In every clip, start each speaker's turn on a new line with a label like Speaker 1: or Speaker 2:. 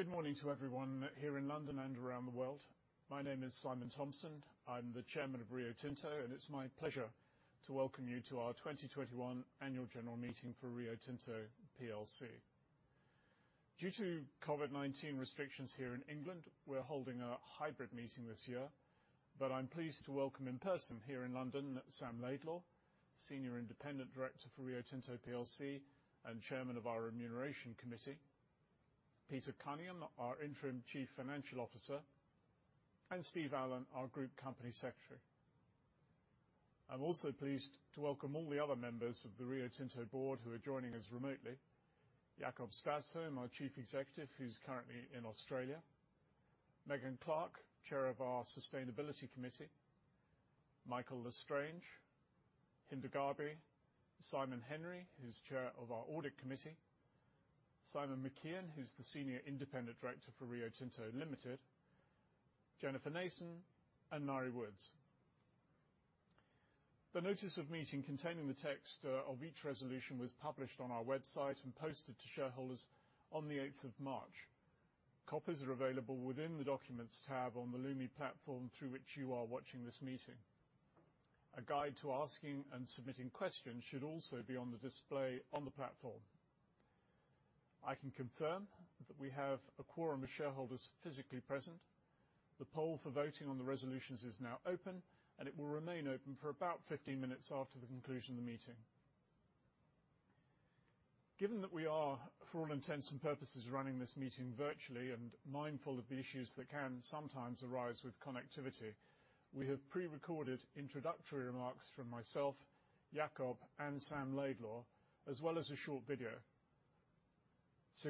Speaker 1: Good morning to everyone here in London and around the world. My name is Simon Thompson. I'm the Chairman of Rio Tinto, and it's my pleasure to welcome you to our 2021 annual general meeting for Rio Tinto PLC. Due to COVID-19 restrictions here in England, we're holding a hybrid meeting this year, but I'm pleased to welcome in person here in London, Sam Laidlaw, Senior Independent Director for Rio Tinto PLC and Chairman of our Remuneration Committee, Peter Cunningham, our Interim Chief Financial Officer, and Steve Allen, our Group Company Secretary. I'm also pleased to welcome all the other members of the Rio Tinto board who are joining us remotely. Jakob Stausholm, our Chief Executive, who's currently in Australia. Megan Clark, Chair of our Sustainability Committee. Michael L'Estrange, Hinda Gharbi, Simon Henry, who's Chair of our Audit Committee, Simon McKeon, who's the Senior Independent Director for Rio Tinto Limited, Jennifer Nason, and Ngaire Woods. The notice of meeting containing the text of each resolution was published on our website and posted to shareholders on the 8th of March. Copies are available within the Documents tab on the Lumi platform through which you are watching this meeting. A guide to asking and submitting questions should also be on the display on the platform. I can confirm that we have a quorum of shareholders physically present. The poll for voting on the resolutions is now open, and it will remain open for about 15 minutes after the conclusion of the meeting. Given that we are, for all intents and purposes, running this meeting virtually and mindful of the issues that can sometimes arise with connectivity, we have pre-recorded introductory remarks from myself, Jakob, and Sam Laidlaw, as well as a short video.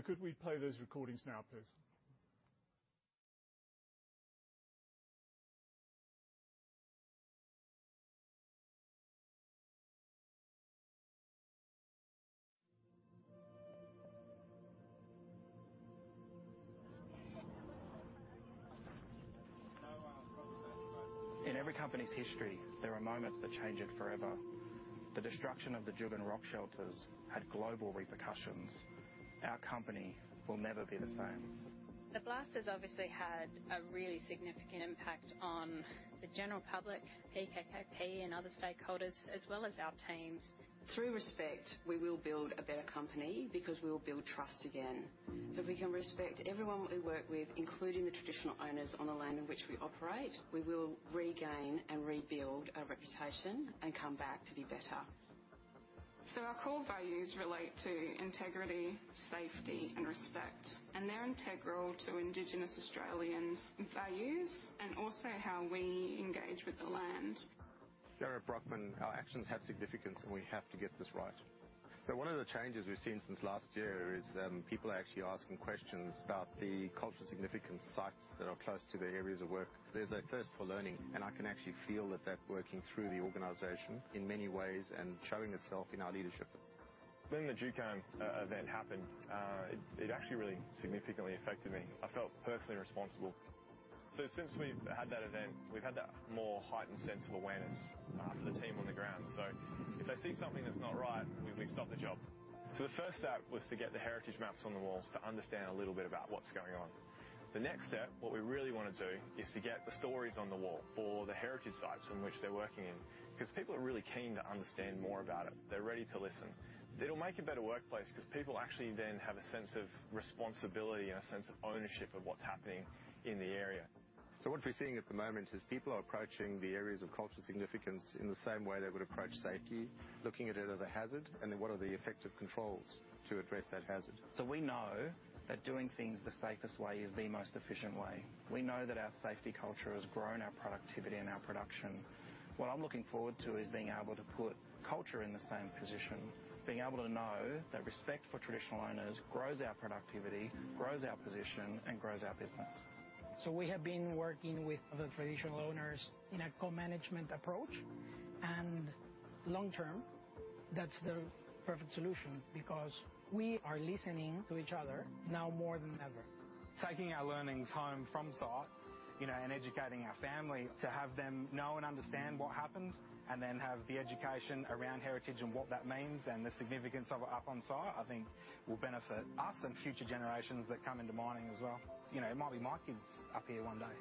Speaker 1: Could we play those recordings now, please?
Speaker 2: In every company's history, there are moments that change it forever. The destruction of the Juukan rock shelters had global repercussions. Our company will never be the same. The blast has obviously had a really significant impact on the general public, PKKP, and other stakeholders, as well as our teams. Through respect, we will build a better company because we'll build trust again. If we can respect everyone that we work with, including the traditional owners on the land in which we operate, we will regain and rebuild our reputation and come back to be better. Our core values relate to integrity, safety, and respect, and they're integral to Indigenous Australians' values and also how we engage with the land. Janet Brockman, our actions have significance, and we have to get this right. One of the changes we've seen since last year is people are actually asking questions about the cultural significant sites that are close to their areas of work. There's a thirst for learning, and I can actually feel that working through the organization in many ways and showing itself in our leadership. When the Juukan event happened, it actually really significantly affected me. I felt personally responsible. Since we've had that event, we've had that more heightened sense of awareness for the team on the ground. If they see something that's not right, we stop the job. The first step was to get the heritage maps on the walls to understand a little bit about what's going on. The next step, what we really want to do, is to get the stories on the wall for the heritage sites in which they're working in. People are really keen to understand more about it. They're ready to listen. It'll make a better workplace because people actually then have a sense of responsibility and a sense of ownership of what's happening in the area. What we're seeing at the moment is people are approaching the areas of cultural significance in the same way they would approach safety, looking at it as a hazard, and then what are the effective controls to address that hazard. We know that doing things the safest way is the most efficient way. We know that our safety culture has grown our productivity and our production. What I'm looking forward to is being able to put culture in the same position, being able to know that respect for traditional owners grows our productivity, grows our position, and grows our business. We have been working with the traditional owners in a co-management approach, and long-term, that's the perfect solution because we are listening to each other now more than ever. Taking our learnings home from site and educating our family to have them know and understand what happened, and then have the education around heritage and what that means and the significance of it up on-site, I think will benefit us and future generations that come into mining as well. It might be my kids up here one day.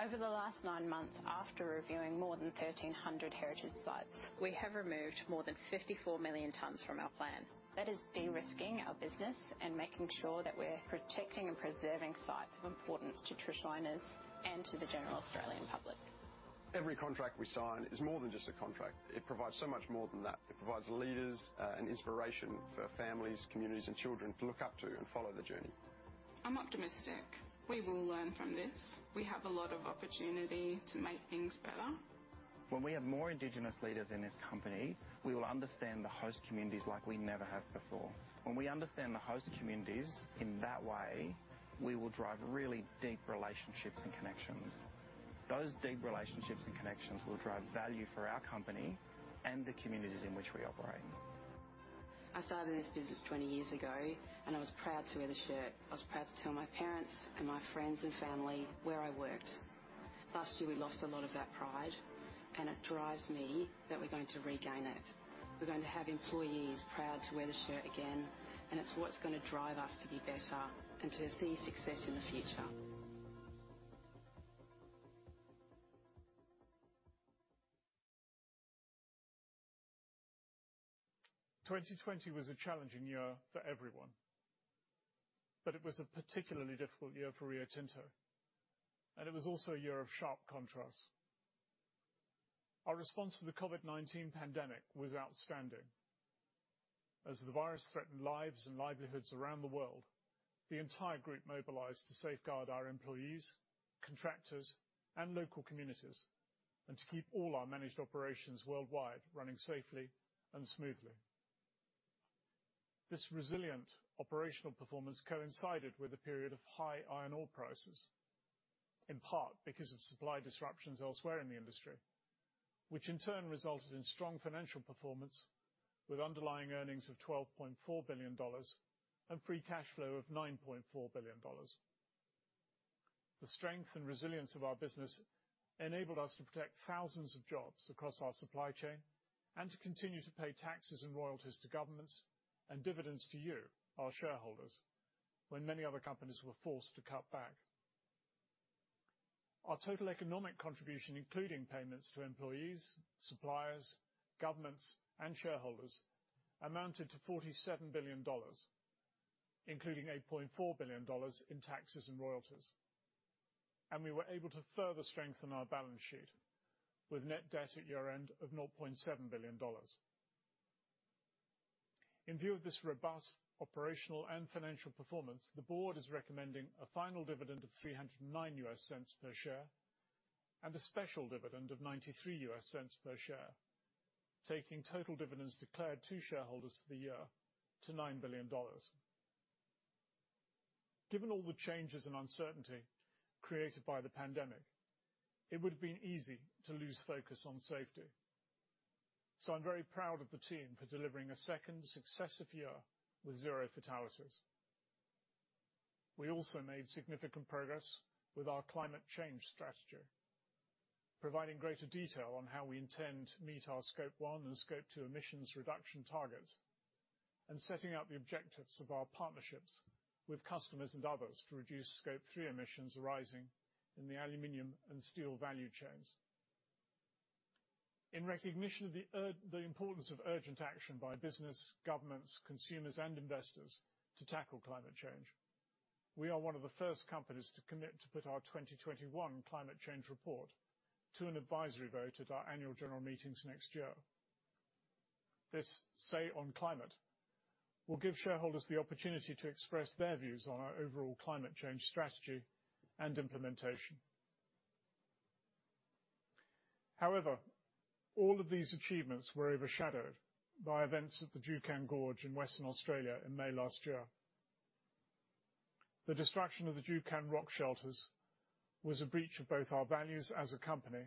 Speaker 2: Over the last nine months after reviewing more than 1,300 heritage sites, we have removed more than 54 million tons from our plan. That is de-risking our business and making sure that we're protecting and preserving sites of importance to Traditional Owners and to the general Australian public. Every contract we sign is more than just a contract. It provides so much more than that. It provides leaders and inspiration for families, communities, and children to look up to and follow the journey. I'm optimistic we will learn from this. We have a lot of opportunity to make things better. When we have more indigenous leaders in this company, we will understand the host communities like we never have before. When we understand the host communities in that way, we will drive really deep relationships and connections. Those deep relationships and connections will drive value for our company and the communities in which we operate. I started this business 20 years ago, and I was proud to wear the shirt. I was proud to tell my parents and my friends and family where I worked. Last year, we lost a lot of that pride, and it drives me that we're going to regain it. We're going to have employees proud to wear the shirt again, and it's what's going to drive us to be better and to see success in the future.
Speaker 1: 2020 was a challenging year for everyone, but it was a particularly difficult year for Rio Tinto, and it was also a year of sharp contrasts. Our response to the COVID-19 pandemic was outstanding. As the virus threatened lives and livelihoods around the world, the entire group mobilized to safeguard our employees, contractors, and local communities, and to keep all our managed operations worldwide running safely and smoothly. This resilient operational performance coincided with a period of high iron ore prices, in part because of supply disruptions elsewhere in the industry. Which in turn resulted in strong financial performance with underlying earnings of $12.4 billion and free cash flow of $9.4 billion. The strength and resilience of our business enabled us to protect thousands of jobs across our supply chain and to continue to pay taxes and royalties to governments and dividends to you, our shareholders, when many other companies were forced to cut back. Our total economic contribution, including payments to employees, suppliers, governments, and shareholders, amounted to $47 billion, including $8.4 billion in taxes and royalties. We were able to further strengthen our balance sheet with net debt at year-end of $0.7 billion. In view of this robust operational and financial performance, the board is recommending a final dividend of $3.09 per share and a special dividend of $0.93 per share, taking total dividends declared to shareholders for the year to $9 billion. Given all the changes and uncertainty created by the pandemic, it would have been easy to lose focus on safety. I'm very proud of the team for delivering a second successive year with zero fatalities. We also made significant progress with our climate change strategy, providing greater detail on how we intend to meet our Scope 1 and Scope 2 emissions reduction targets, and setting out the objectives of our partnerships with customers and others to reduce Scope 3 emissions arising in the aluminum and steel value chains. In recognition of the importance of urgent action by business, governments, consumers, and investors to tackle climate change, we are one of the first companies to commit to put our 2021 climate change report to an advisory vote at our annual general meetings next year. This Say on Climate will give shareholders the opportunity to express their views on our overall climate change strategy and implementation. However, all of these achievements were overshadowed by events at the Juukan Gorge in Western Australia in May last year. The destruction of the Juukan rock shelters was a breach of both our values as a company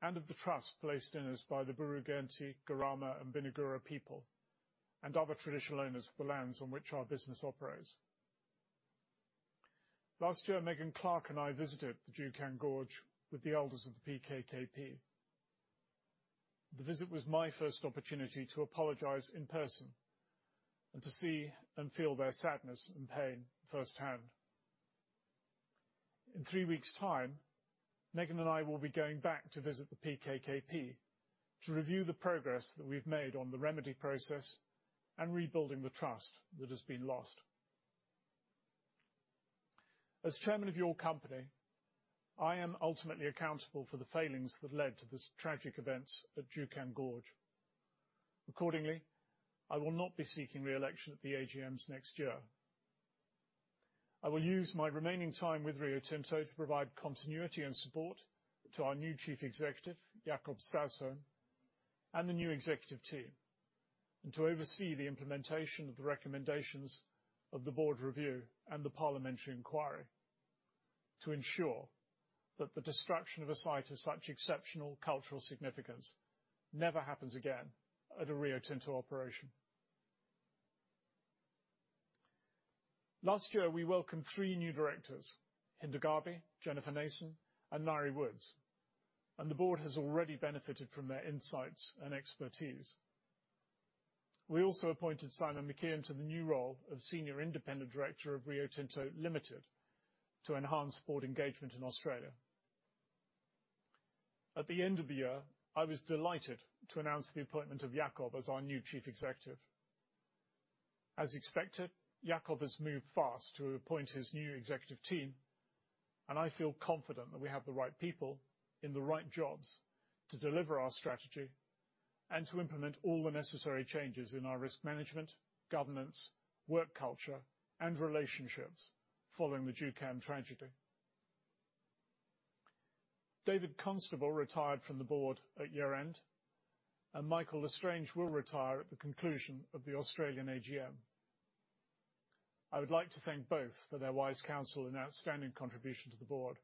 Speaker 1: and of the trust placed in us by the Puutu Kunti, Kurrama, and Pinikura people and other traditional owners of the lands on which our business operates. Last year, Megan Clark and I visited the Juukan Gorge with the elders of the PKKP. The visit was my first opportunity to apologize in person and to see and feel their sadness and pain firsthand. In three weeks' time, Megan and I will be going back to visit the PKKP to review the progress that we've made on the remedy process and rebuilding the trust that has been lost. As Chairman of your company, I am ultimately accountable for the failings that led to the tragic events at Juukan Gorge. I will not be seeking re-election at the AGMs next year. I will use my remaining time with Rio Tinto to provide continuity and support to our new Chief Executive, Jakob Stausholm, and the new executive team, and to oversee the implementation of the recommendations of the board review and the parliamentary inquiry to ensure that the destruction of a site of such exceptional cultural significance never happens again at a Rio Tinto operation. Last year, we welcomed three new directors, Hinda Gharbi, Jennifer Nason, and Ngaire Woods, and the board has already benefited from their insights and expertise. We also appointed Simon McKeon to the new role of Senior Independent Director of Rio Tinto Limited to enhance board engagement in Australia. At the end of the year, I was delighted to announce the appointment of Jakob as our new Chief Executive. As expected, Jakob has moved fast to appoint his new executive team, and I feel confident that we have the right people in the right jobs to deliver our strategy and to implement all the necessary changes in our risk management, governance, work culture, and relationships following the Juukan tragedy. David Constable retired from the board at year-end, and Michael L'Estrange will retire at the conclusion of the Australian AGM. I would like to thank both for their wise counsel and outstanding contribution to the board.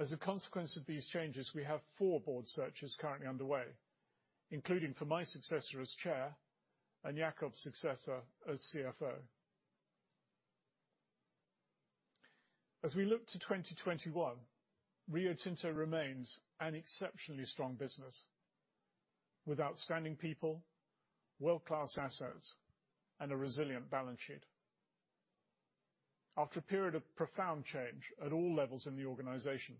Speaker 1: As a consequence of these changes, we have four board searches currently underway, including for my successor as Chair and Jakob's successor as CFO. As we look to 2021, Rio Tinto remains an exceptionally strong business with outstanding people, world-class assets, and a resilient balance sheet. After a period of profound change at all levels in the organization,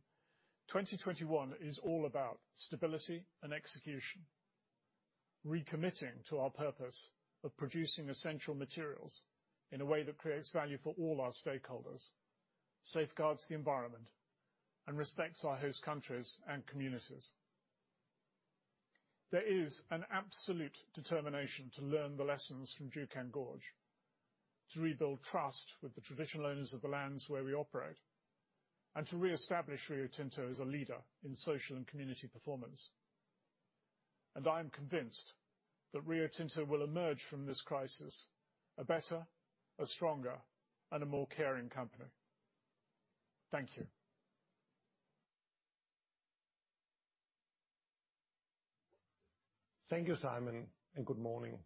Speaker 1: 2021 is all about stability and execution, recommitting to our purpose of producing essential materials in a way that creates value for all our stakeholders, safeguards the environment, and respects our host countries and communities. There is an absolute determination to learn the lessons from Juukan Gorge, to rebuild trust with the traditional owners of the lands where we operate, and to reestablish Rio Tinto as a leader in social and community performance. I'm convinced that Rio Tinto will emerge from this crisis a better, a stronger, and a more caring company. Thank you.
Speaker 3: Thank you, Simon, and good morning.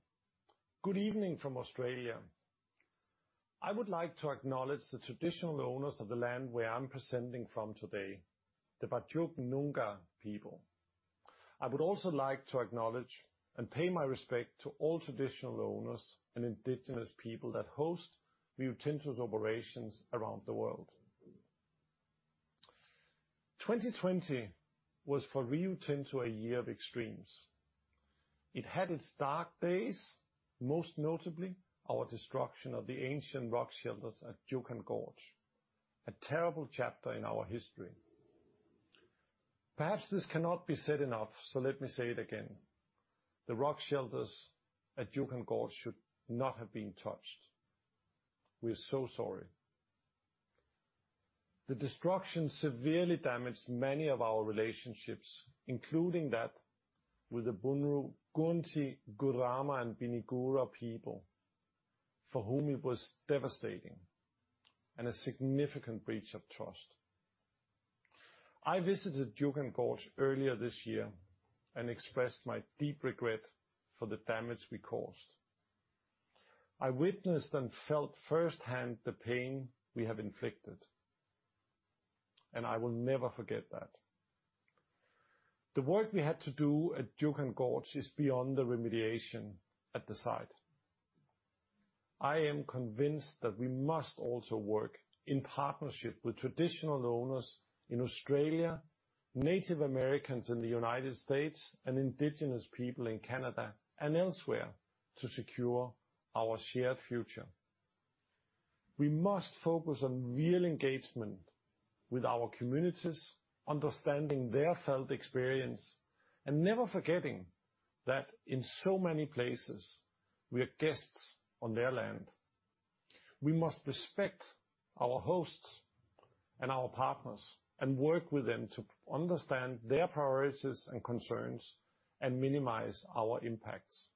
Speaker 3: Good evening from Australia. I would like to acknowledge the traditional owners of the land where I'm presenting from today, the Whadjuk Noongar people. I would also like to acknowledge and pay my respect to all traditional owners and Indigenous people that host Rio Tinto's operations around the world. 2020 was for Rio Tinto a year of extremes. It had its dark days, most notably our destruction of the ancient rock shelters at Juukan Gorge, a terrible chapter in our history. Perhaps this cannot be said enough, so let me say it again. The rock shelters at Juukan Gorge should not have been touched. We're so sorry. The destruction severely damaged many of our relationships, including that with the Puutu Kunti Kurrama and Pinikura people, for whom it was devastating and a significant breach of trust. I visited Juukan Gorge earlier this year and expressed my deep regret for the damage we caused. I witnessed and felt firsthand the pain we have inflicted, and I will never forget that. The work we had to do at Juukan Gorge is beyond the remediation at the site. I am convinced that we must also work in partnership with traditional owners in Australia, Native Americans in the United States, and Indigenous people in Canada and elsewhere to secure our shared future. We must focus on real engagement with our communities, understanding their felt experience, and never forgetting that in so many places, we are guests on their land. We must respect our hosts and our partners and work with them to understand their priorities and concerns and minimize our impacts.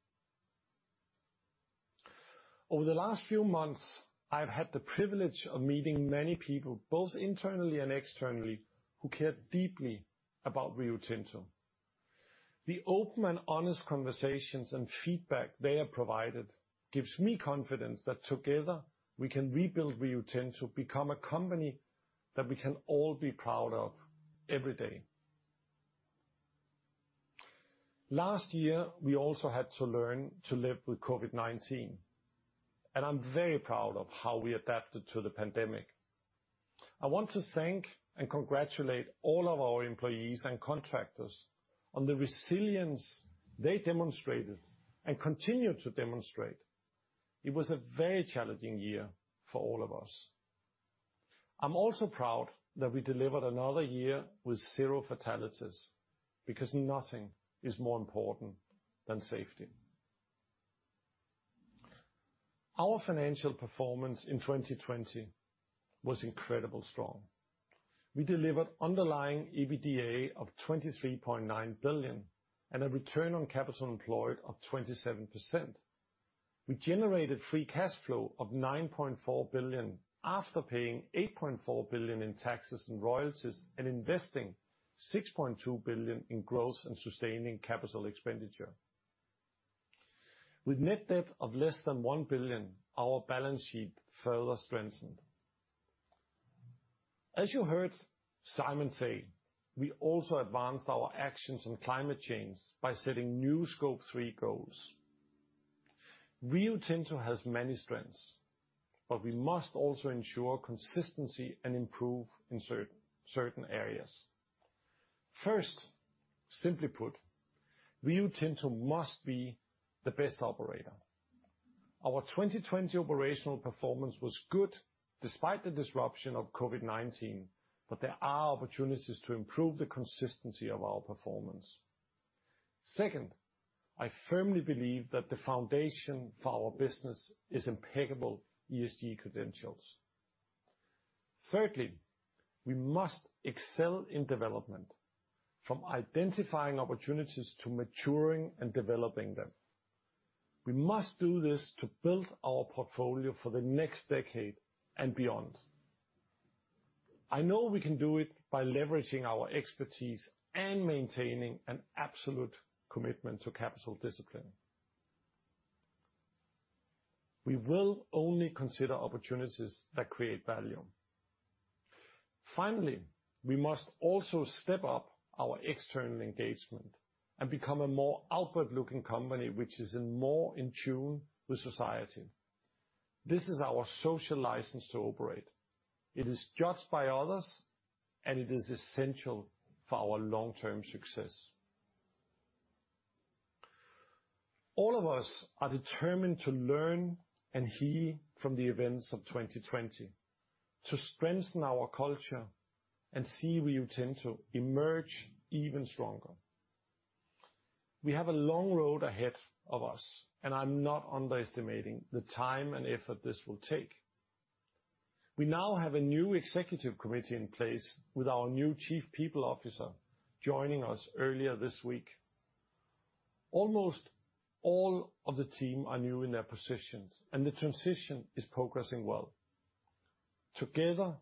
Speaker 3: Over the last few months, I've had the privilege of meeting many people, both internally and externally, who care deeply about Rio Tinto. The open and honest conversations and feedback they have provided gives me confidence that together we can rebuild Rio Tinto, become a company that we can all be proud of every day. Last year, we also had to learn to live with COVID-19, and I'm very proud of how we adapted to the pandemic. I want to thank and congratulate all of our employees and contractors on the resilience they demonstrated and continue to demonstrate. It was a very challenging year for all of us. I'm also proud that we delivered another year with zero fatalities, because nothing is more important than safety. Our financial performance in 2020 was incredibly strong. We delivered underlying EBITDA of $23.9 billion and a return on capital employed of 27%. We generated free cash flow of $9.4 billion after paying $8.4 billion in taxes and royalties and investing $6.2 billion in growth and sustaining capital expenditure. With net debt of less than $1 billion, our balance sheet further strengthened. As you heard Simon say, we also advanced our actions on climate change by setting new Scope 3 goals. Rio Tinto has many strengths, but we must also ensure consistency and improve in certain areas. First, simply put, Rio Tinto must be the best operator. Our 2020 operational performance was good despite the disruption of COVID-19, but there are opportunities to improve the consistency of our performance. Second, I firmly believe that the foundation for our business is impeccable ESG credentials. Thirdly, we must excel in development, from identifying opportunities to maturing and developing them. We must do this to build our portfolio for the next decade and beyond. I know we can do it by leveraging our expertise and maintaining an absolute commitment to capital discipline. We will only consider opportunities that create value. Finally, we must also step up our external engagement and become a more outward-looking company which is more in tune with society. This is our social license to operate. It is judged by others, and it is essential for our long-term success. All of us are determined to learn and heal from the events of 2020, to strengthen our culture and see Rio Tinto emerge even stronger. We have a long road ahead of us, and I'm not underestimating the time and effort this will take. We now have a new executive committee in place with our new Chief People Officer joining us earlier this week. Almost all of the team are new in their positions, and the transition is progressing well. Together,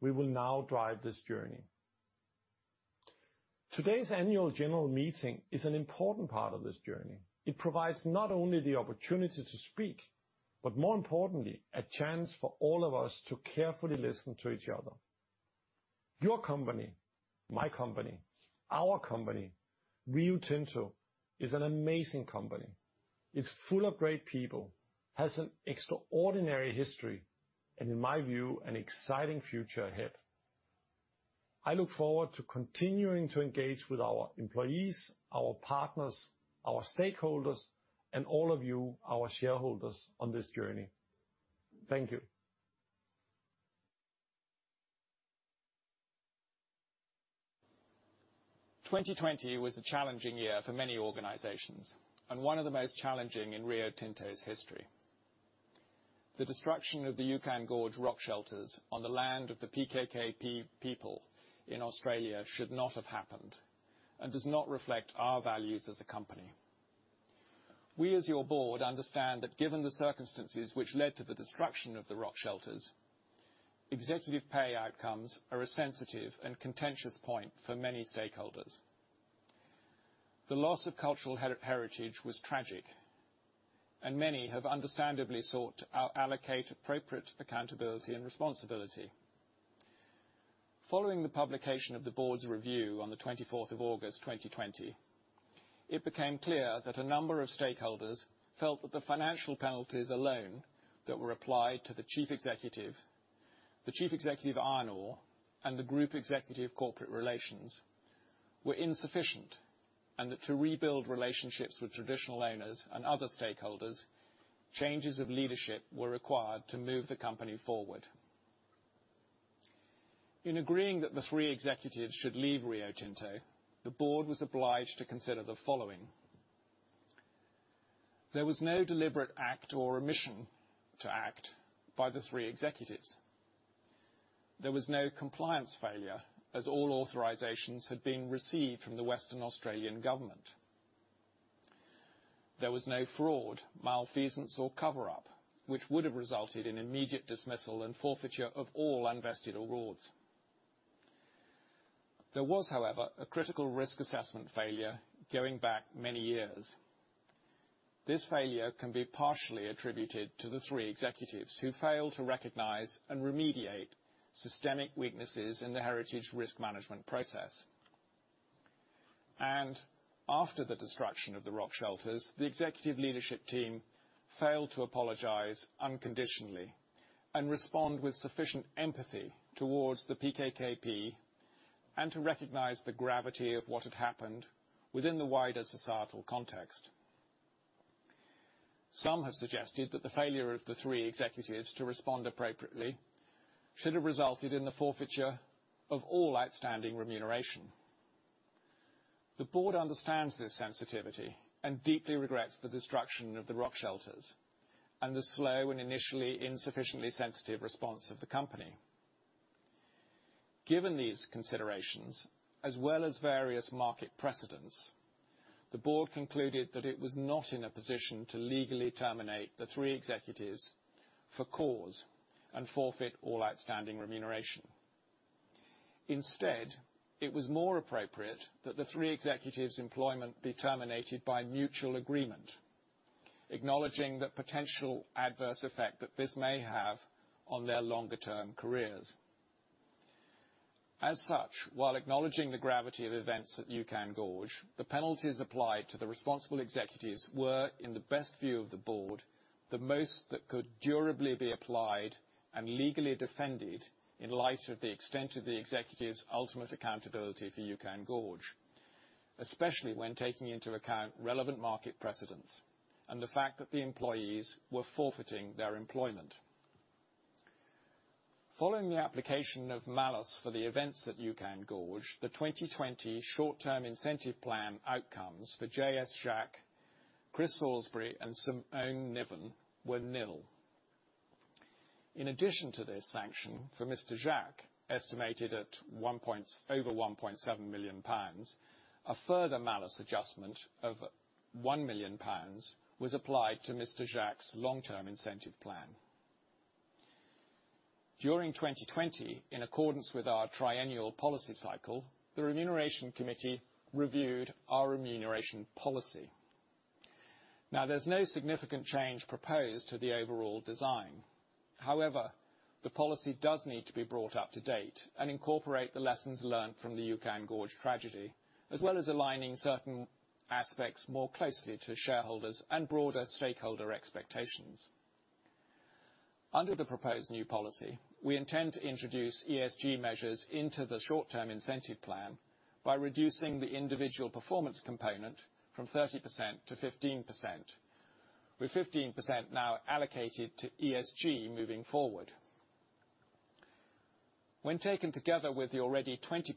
Speaker 3: we will now drive this journey. Today's annual general meeting is an important part of this journey. It provides not only the opportunity to speak, but more importantly, a chance for all of us to carefully listen to each other. Your company, my company, our company, Rio Tinto, is an amazing company, is full of great people, has an extraordinary history, and in my view, an exciting future ahead. I look forward to continuing to engage with our employees, our partners, our stakeholders, and all of you, our shareholders, on this journey. Thank you.
Speaker 4: 2020 was a challenging year for many organizations and one of the most challenging in Rio Tinto's history. The destruction of the Juukan Gorge rock shelters on the land of the PKKP people in Australia should not have happened and does not reflect our values as a company. We, as your board, understand that given the circumstances which led to the destruction of the rock shelters, executive pay outcomes are a sensitive and contentious point for many stakeholders. The loss of cultural heritage was tragic, and many have understandably sought to allocate appropriate accountability and responsibility. Following the publication of the board's review on the 24th of August 2020, it became clear that a number of stakeholders felt that the financial penalties alone that were applied to the Chief Executive, the Chief Executive of Iron Ore, and the Group Executive of Corporate Relations were insufficient, and that to rebuild relationships with Traditional Owners and other stakeholders, changes of leadership were required to move the company forward. In agreeing that the three executives should leave Rio Tinto, the board was obliged to consider the following. There was no deliberate act or omission to act by the three executives. There was no compliance failure, as all authorizations had been received from the Government of Western Australia. There was no fraud, malfeasance, or cover-up, which would have resulted in immediate dismissal and forfeiture of all unvested awards. There was, however, a critical risk assessment failure going back many years. This failure can be partially attributed to the three executives who failed to recognize and remediate systemic weaknesses in the heritage risk management process. After the destruction of the rock shelters, the executive leadership team failed to apologize unconditionally and respond with sufficient empathy towards the PKKP and to recognize the gravity of what had happened within the wider societal context. Some have suggested that the failure of the three executives to respond appropriately should have resulted in the forfeiture of all outstanding remuneration. The board understands this sensitivity and deeply regrets the destruction of the rock shelters and the slow and initially insufficiently sensitive response of the company. Given these considerations, as well as various market precedents, the board concluded that it was not in a position to legally terminate the three executives for cause and forfeit all outstanding remuneration. Instead, it was more appropriate that the three executives' employment be terminated by mutual agreement, acknowledging the potential adverse effect that this may have on their longer-term careers. As such, while acknowledging the gravity of events at Juukan Gorge, the penalties applied to the responsible executives were, in the best view of the board, the most that could durably be applied and legally defended in light of the extent of the executives' ultimate accountability for Juukan Gorge, especially when taking into account relevant market precedents and the fact that the employees were forfeiting their employment. Following the application of malus for the events at Juukan Gorge, the 2020 short-term incentive plan outcomes for J.S. Jacques, Chris Salisbury, and Simone Niven were nil. In addition to this sanction for Mr. Jacques, estimated at over 1.7 million pounds, a further malus adjustment of 1 million pounds was applied to Mr. Jacques' long-term incentive plan. During 2020, in accordance with our triennial policy cycle, the Remuneration Committee reviewed our remuneration policy. There's no significant change proposed to the overall design. The policy does need to be brought up to date and incorporate the lessons learned from the Juukan Gorge tragedy, as well as aligning certain aspects more closely to shareholders and broader stakeholder expectations. Under the proposed new policy, we intend to introduce ESG measures into the short-term incentive plan by reducing the individual performance component from 30% to 15%, with 15% now allocated to ESG moving forward. When taken together with the already 20%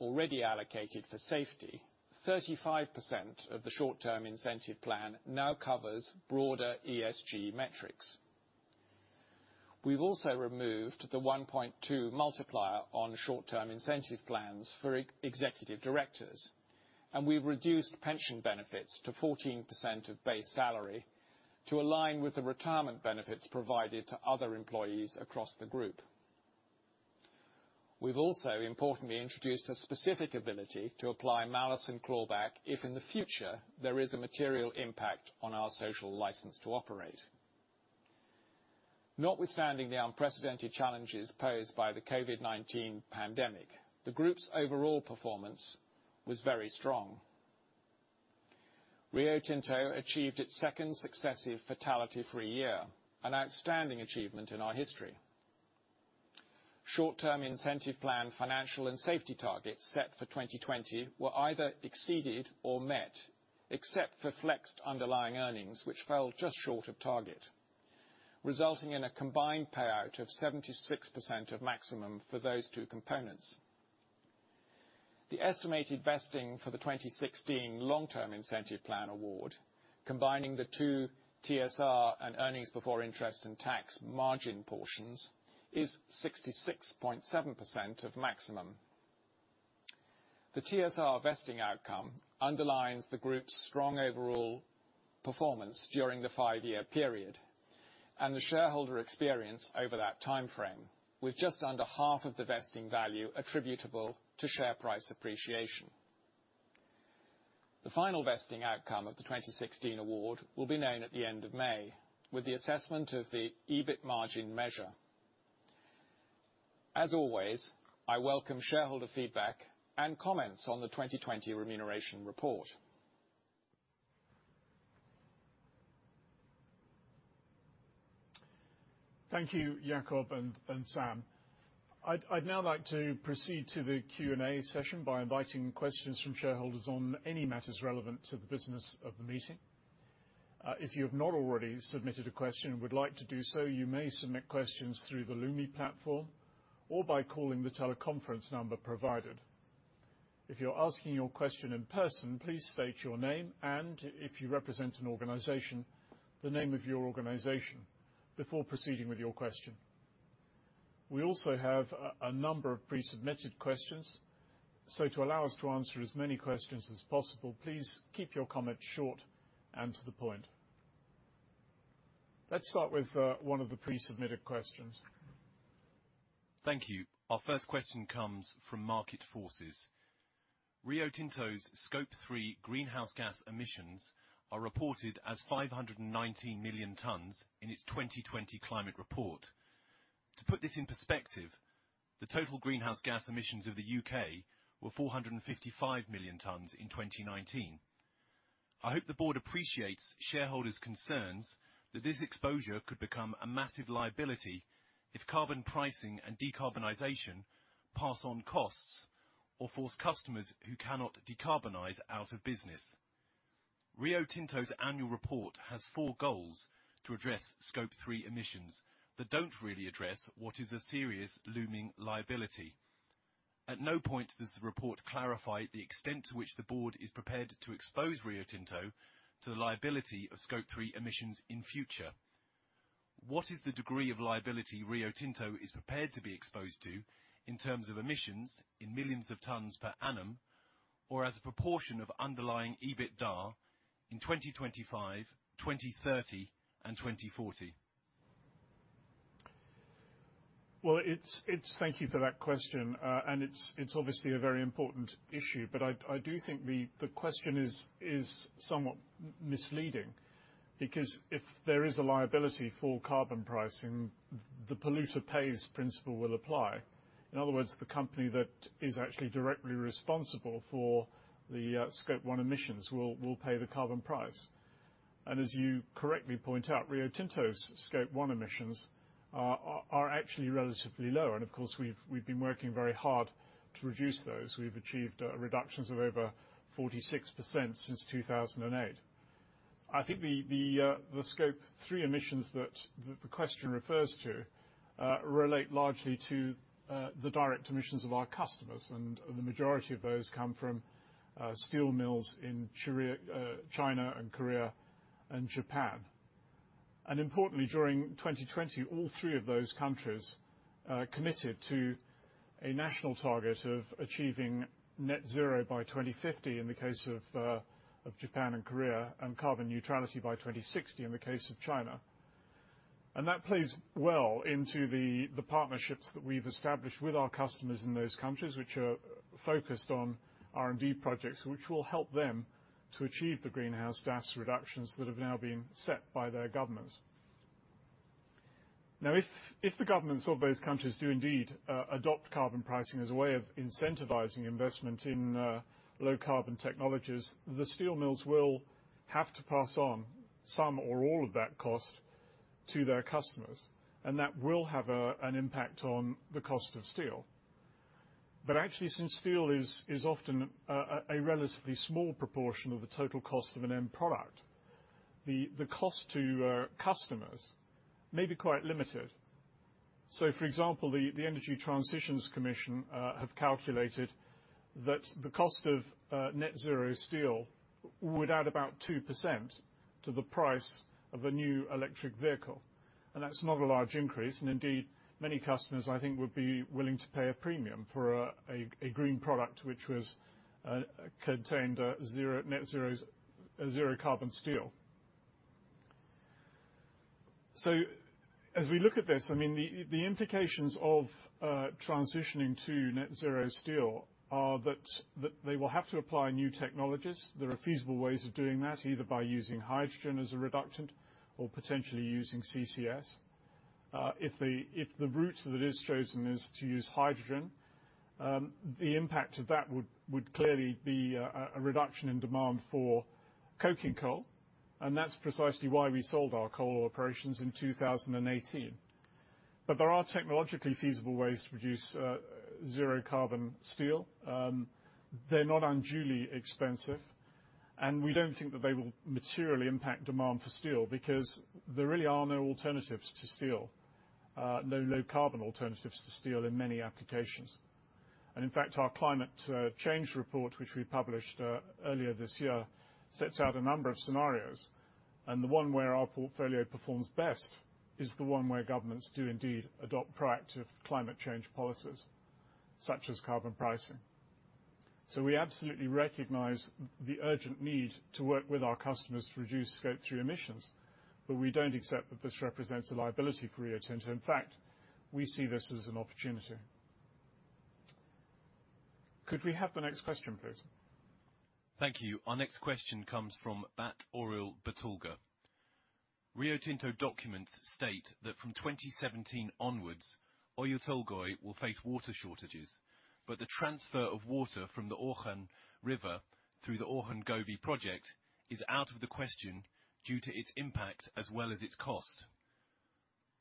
Speaker 4: already allocated for safety, 35% of the short-term incentive plan now covers broader ESG metrics. We've also removed the 1.2 multiplier on short-term incentive plans for executive directors, and we've reduced pension benefits to 14% of base salary to align with the retirement benefits provided to other employees across the group. We've also, importantly, introduced a specific ability to apply malus and clawback if in the future there is a material impact on our social license to operate. Notwithstanding the unprecedented challenges posed by the COVID-19 pandemic, the group's overall performance was very strong. Rio Tinto achieved its second successive fatality-free year, an outstanding achievement in our history. Short-term incentive plan financial and safety targets set for 2020 were either exceeded or met, except for flexed underlying earnings, which fell just short of target, resulting in a combined payout of 76% of maximum for those two components. The estimated vesting for the 2016 Long-Term Incentive Plan Award, combining the two TSR and earnings before interest and tax margin portions, is 66.7% of maximum. The TSR vesting outcome underlines the group's strong overall performance during the five-year period and the shareholder experience over that timeframe, with just under half of the vesting value attributable to share price appreciation. The final vesting outcome of the 2016 award will be known at the end of May with the assessment of the EBIT margin measure. As always, I welcome shareholder feedback and comments on the 2020 Remuneration Report.
Speaker 1: Thank you, Jakob and Sam. I'd now like to proceed to the Q&A session by inviting questions from shareholders on any matters relevant to the business of the meeting. If you have not already submitted a question and would like to do so, you may submit questions through the Lumi platform or by calling the teleconference number provided. If you're asking your question in person, please state your name and if you represent an organization, the name of your organization before proceeding with your question. We also have a number of pre-submitted questions. To allow us to answer as many questions as possible, please keep your comments short and to the point. Let's start with one of the pre-submitted questions.
Speaker 5: Thank you. Our first question comes from Market Forces. Rio Tinto's Scope 3 greenhouse gas emissions are reported as 519 million tons in its 2020 climate report. To put this in perspective, the total greenhouse gas emissions of the U.K. were 455 million tons in 2019. I hope the board appreciates shareholders' concerns that this exposure could become a massive liability if carbon pricing and decarbonization pass on costs or force customers who cannot decarbonize out of business. Rio Tinto's annual report has four goals to address Scope 3 emissions that don't really address what is a serious looming liability. At no point does the report clarify the extent to which the board is prepared to expose Rio Tinto to the liability of Scope 3 emissions in future. What is the degree of liability Rio Tinto is prepared to be exposed to in terms of emissions in millions of tons per annum, or as a proportion of underlying EBITDA in 2025, 2030 and 2040?
Speaker 1: Well, thank you for that question. It's obviously a very important issue, but I do think the question is somewhat misleading because if there is a liability for carbon pricing, the polluter pays principle will apply. In other words, the company that is actually directly responsible for the Scope 1 emissions will pay the carbon price. As you correctly point out, Rio Tinto's Scope 1 emissions are actually relatively low. Of course, we've been working very hard to reduce those. We've achieved reductions of over 46% since 2008. I think the Scope 3 emissions that the question refers to relate largely to the direct emissions of our customers, and the majority of those come from steel mills in China and Korea and Japan. Importantly, during 2020, all three of those countries committed to a national target of achieving net zero by 2050 in the case of Japan and Korea, and carbon neutrality by 2060 in the case of China. That plays well into the partnerships that we've established with our customers in those countries, which are focused on R&D projects, which will help them to achieve the greenhouse gas reductions that have now been set by their governments. Now, if the governments of those countries do indeed adopt carbon pricing as a way of incentivizing investment in low-carbon technologies, the steel mills will have to pass on some or all of that cost to their customers, and that will have an impact on the cost of steel. Actually, since steel is often a relatively small proportion of the total cost of an end product, the cost to customers may be quite limited. For example, the Energy Transitions Commission have calculated that the cost of net-zero steel would add about 2% to the price of a new electric vehicle, and that's not a large increase, and indeed, many customers, I think, would be willing to pay a premium for a green product which contained zero carbon steel. As we look at this, the implications of transitioning to net-zero steel are that they will have to apply new technologies. There are feasible ways of doing that, either by using hydrogen as a reductant or potentially using CCS. If the route that is chosen is to use hydrogen, the impact of that would clearly be a reduction in demand for coking coal, and that's precisely why we sold our coal operations in 2018. There are technologically feasible ways to produce zero-carbon steel. They're not unduly expensive, and we don't think that they will materially impact demand for steel because there really are no alternatives to steel, no low-carbon alternatives to steel in many applications. In fact, our climate change report, which we published earlier this year, sets out a number of scenarios, and the one where our portfolio performs best is the one where governments do indeed adopt proactive climate change policies, such as carbon pricing. We absolutely recognize the urgent need to work with our customers to reduce Scope 3 emissions, but we don't accept that this represents a liability for Rio Tinto. In fact, we see this as an opportunity. Could we have the next question, please?
Speaker 5: Thank you. Our next question comes from Bat-Oriel Batulga. Rio Tinto documents state that from 2017 onwards, Oyu Tolgoi will face water shortages, but the transfer of water from the Orkhon River through the Orkhon-Gobi project is out of the question due to its impact as well as its cost.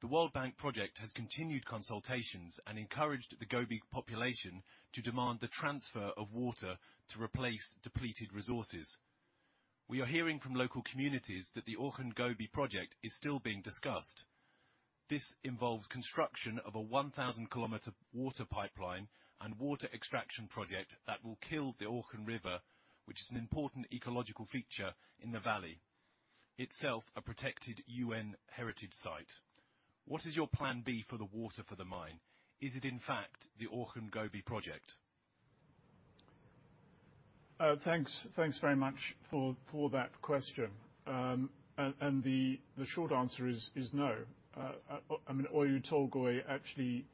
Speaker 5: The World Bank project has continued consultations and encouraged the Gobi population to demand the transfer of water to replace depleted resources. We are hearing from local communities that the Orkhon-Gobi project is still being discussed. This involves construction of a 1,000-km water pipeline and water extraction project that will kill the Orkhon River, which is an important ecological feature in the valley, itself a protected UN heritage site. What is your plan B for the water for the mine? Is it, in fact, the Orkhon-Gobi project?
Speaker 1: Thanks very much for that question. The short answer is no. Oyu Tolgoi actually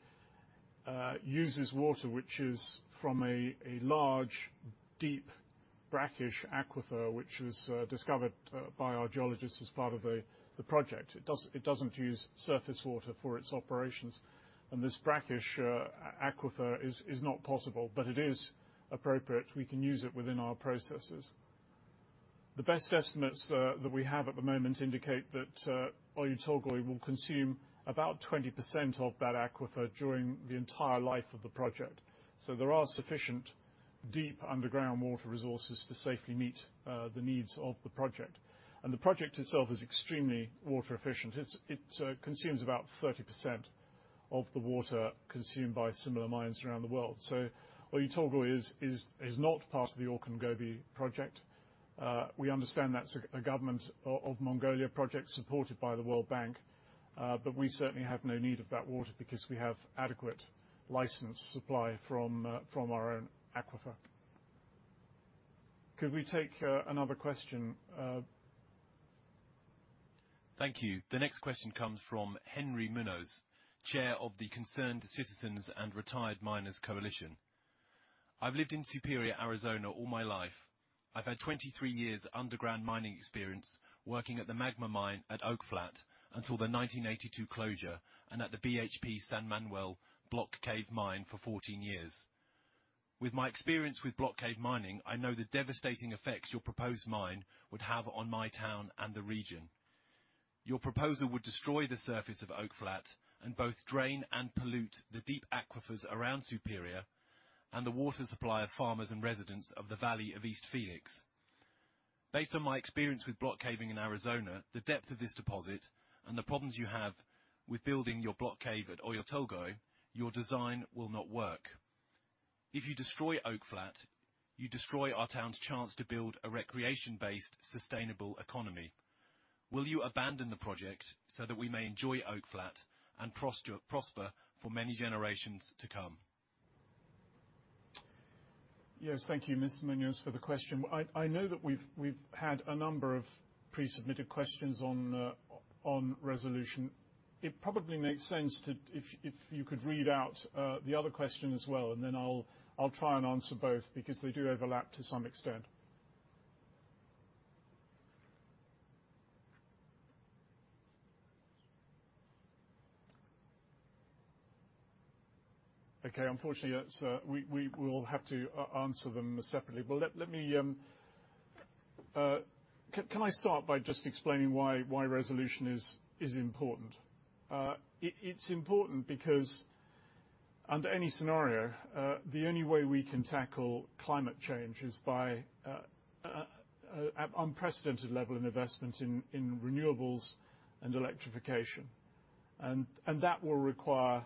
Speaker 1: uses water which is from a large, deep, brackish aquifer, which was discovered by our geologists as part of the project. It doesn't use surface water for its operations. This brackish aquifer is not possible, but it is appropriate. We can use it within our processes. The best estimates that we have at the moment indicate that Oyu Tolgoi will consume about 20% of that aquifer during the entire life of the project. There are sufficient deep underground water resources to safely meet the needs of the project. The project itself is extremely water efficient. It consumes about 30% of the water consumed by similar mines around the world. Oyu Tolgoi is not part of the Orkhon-Gobi project. We understand that's a Government of Mongolia project supported by the World Bank. We certainly have no need of that water because we have adequate licensed supply from our own aquifer. Could we take another question?
Speaker 5: Thank you. The next question comes from Henry Muñoz, Chair of the Concerned Citizens and Retired Miners Coalition. I've lived in Superior, Arizona, all my life. I've had 23 years underground mining experience working at the Magma Mine at Oak Flat until the 1982 closure and at the BHP San Manuel block cave mine for 14 years. With my experience with block cave mining, I know the devastating effects your proposed mine would have on my town and the region. Your proposal would destroy the surface of Oak Flat and both drain and pollute the deep aquifers around Superior and the water supply of farmers and residents of the valley of East Phoenix. Based on my experience with block caving in Arizona, the depth of this deposit and the problems you have with building your block cave at Oyu Tolgoi, your design will not work. If you destroy Oak Flat, you destroy our town's chance to build a recreation-based, sustainable economy. Will you abandon the project so that we may enjoy Oak Flat and prosper for many generations to come?
Speaker 1: Yes. Thank you, Mr. Muñoz, for the question. I know that we've had a number of pre-submitted questions on Resolution. It probably makes sense if you could read out the other question as well, then I'll try and answer both because they do overlap to some extent. Okay. Unfortunately, we will have to answer them separately. Can I start by just explaining why Resolution is important? It's important because under any scenario, the only way we can tackle climate change is by unprecedented level in investment in renewables and electrification. That will require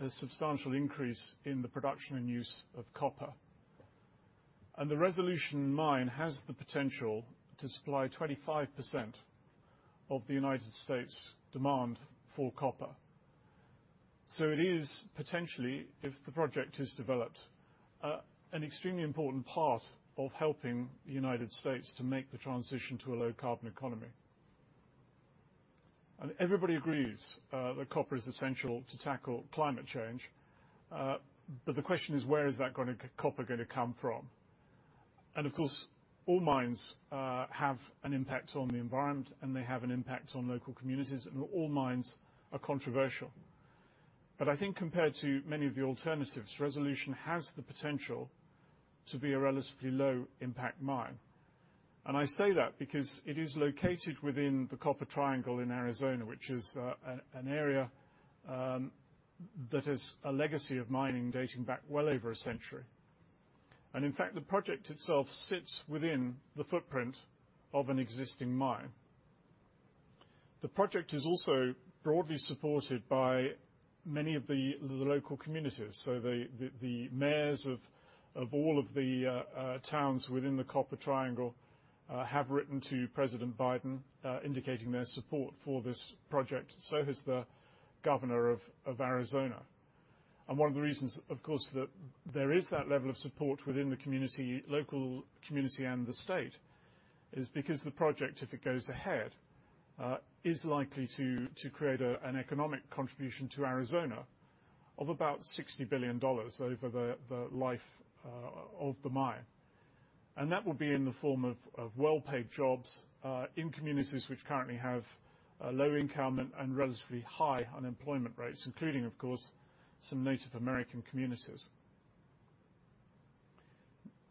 Speaker 1: a substantial increase in the production and use of copper. The Resolution Mine has the potential to supply 25% of the United States' demand for copper. It is potentially, if the project is developed, an extremely important part of helping the United States to make the transition to a low-carbon economy. Everybody agrees that copper is essential to tackle climate change. The question is: where is that copper going to come from? Of course, all mines have an impact on the environment and they have an impact on local communities, and all mines are controversial. I think compared to many of the alternatives, Resolution has the potential to be a relatively low-impact mine. I say that because it is located within the Copper Triangle in Arizona, which is an area that has a legacy of mining dating back well over a century. In fact, the project itself sits within the footprint of an existing mine. The project is also broadly supported by many of the local communities. The mayors of all of the towns within the Copper Triangle have written to President Biden indicating their support for this project. Has the governor of Arizona. One of the reasons, of course, that there is that level of support within the local community and the state is because the project, if it goes ahead, is likely to create an economic contribution to Arizona of about $60 billion over the life of the mine. That will be in the form of well-paid jobs in communities which currently have low income and relatively high unemployment rates, including, of course, some Native American communities.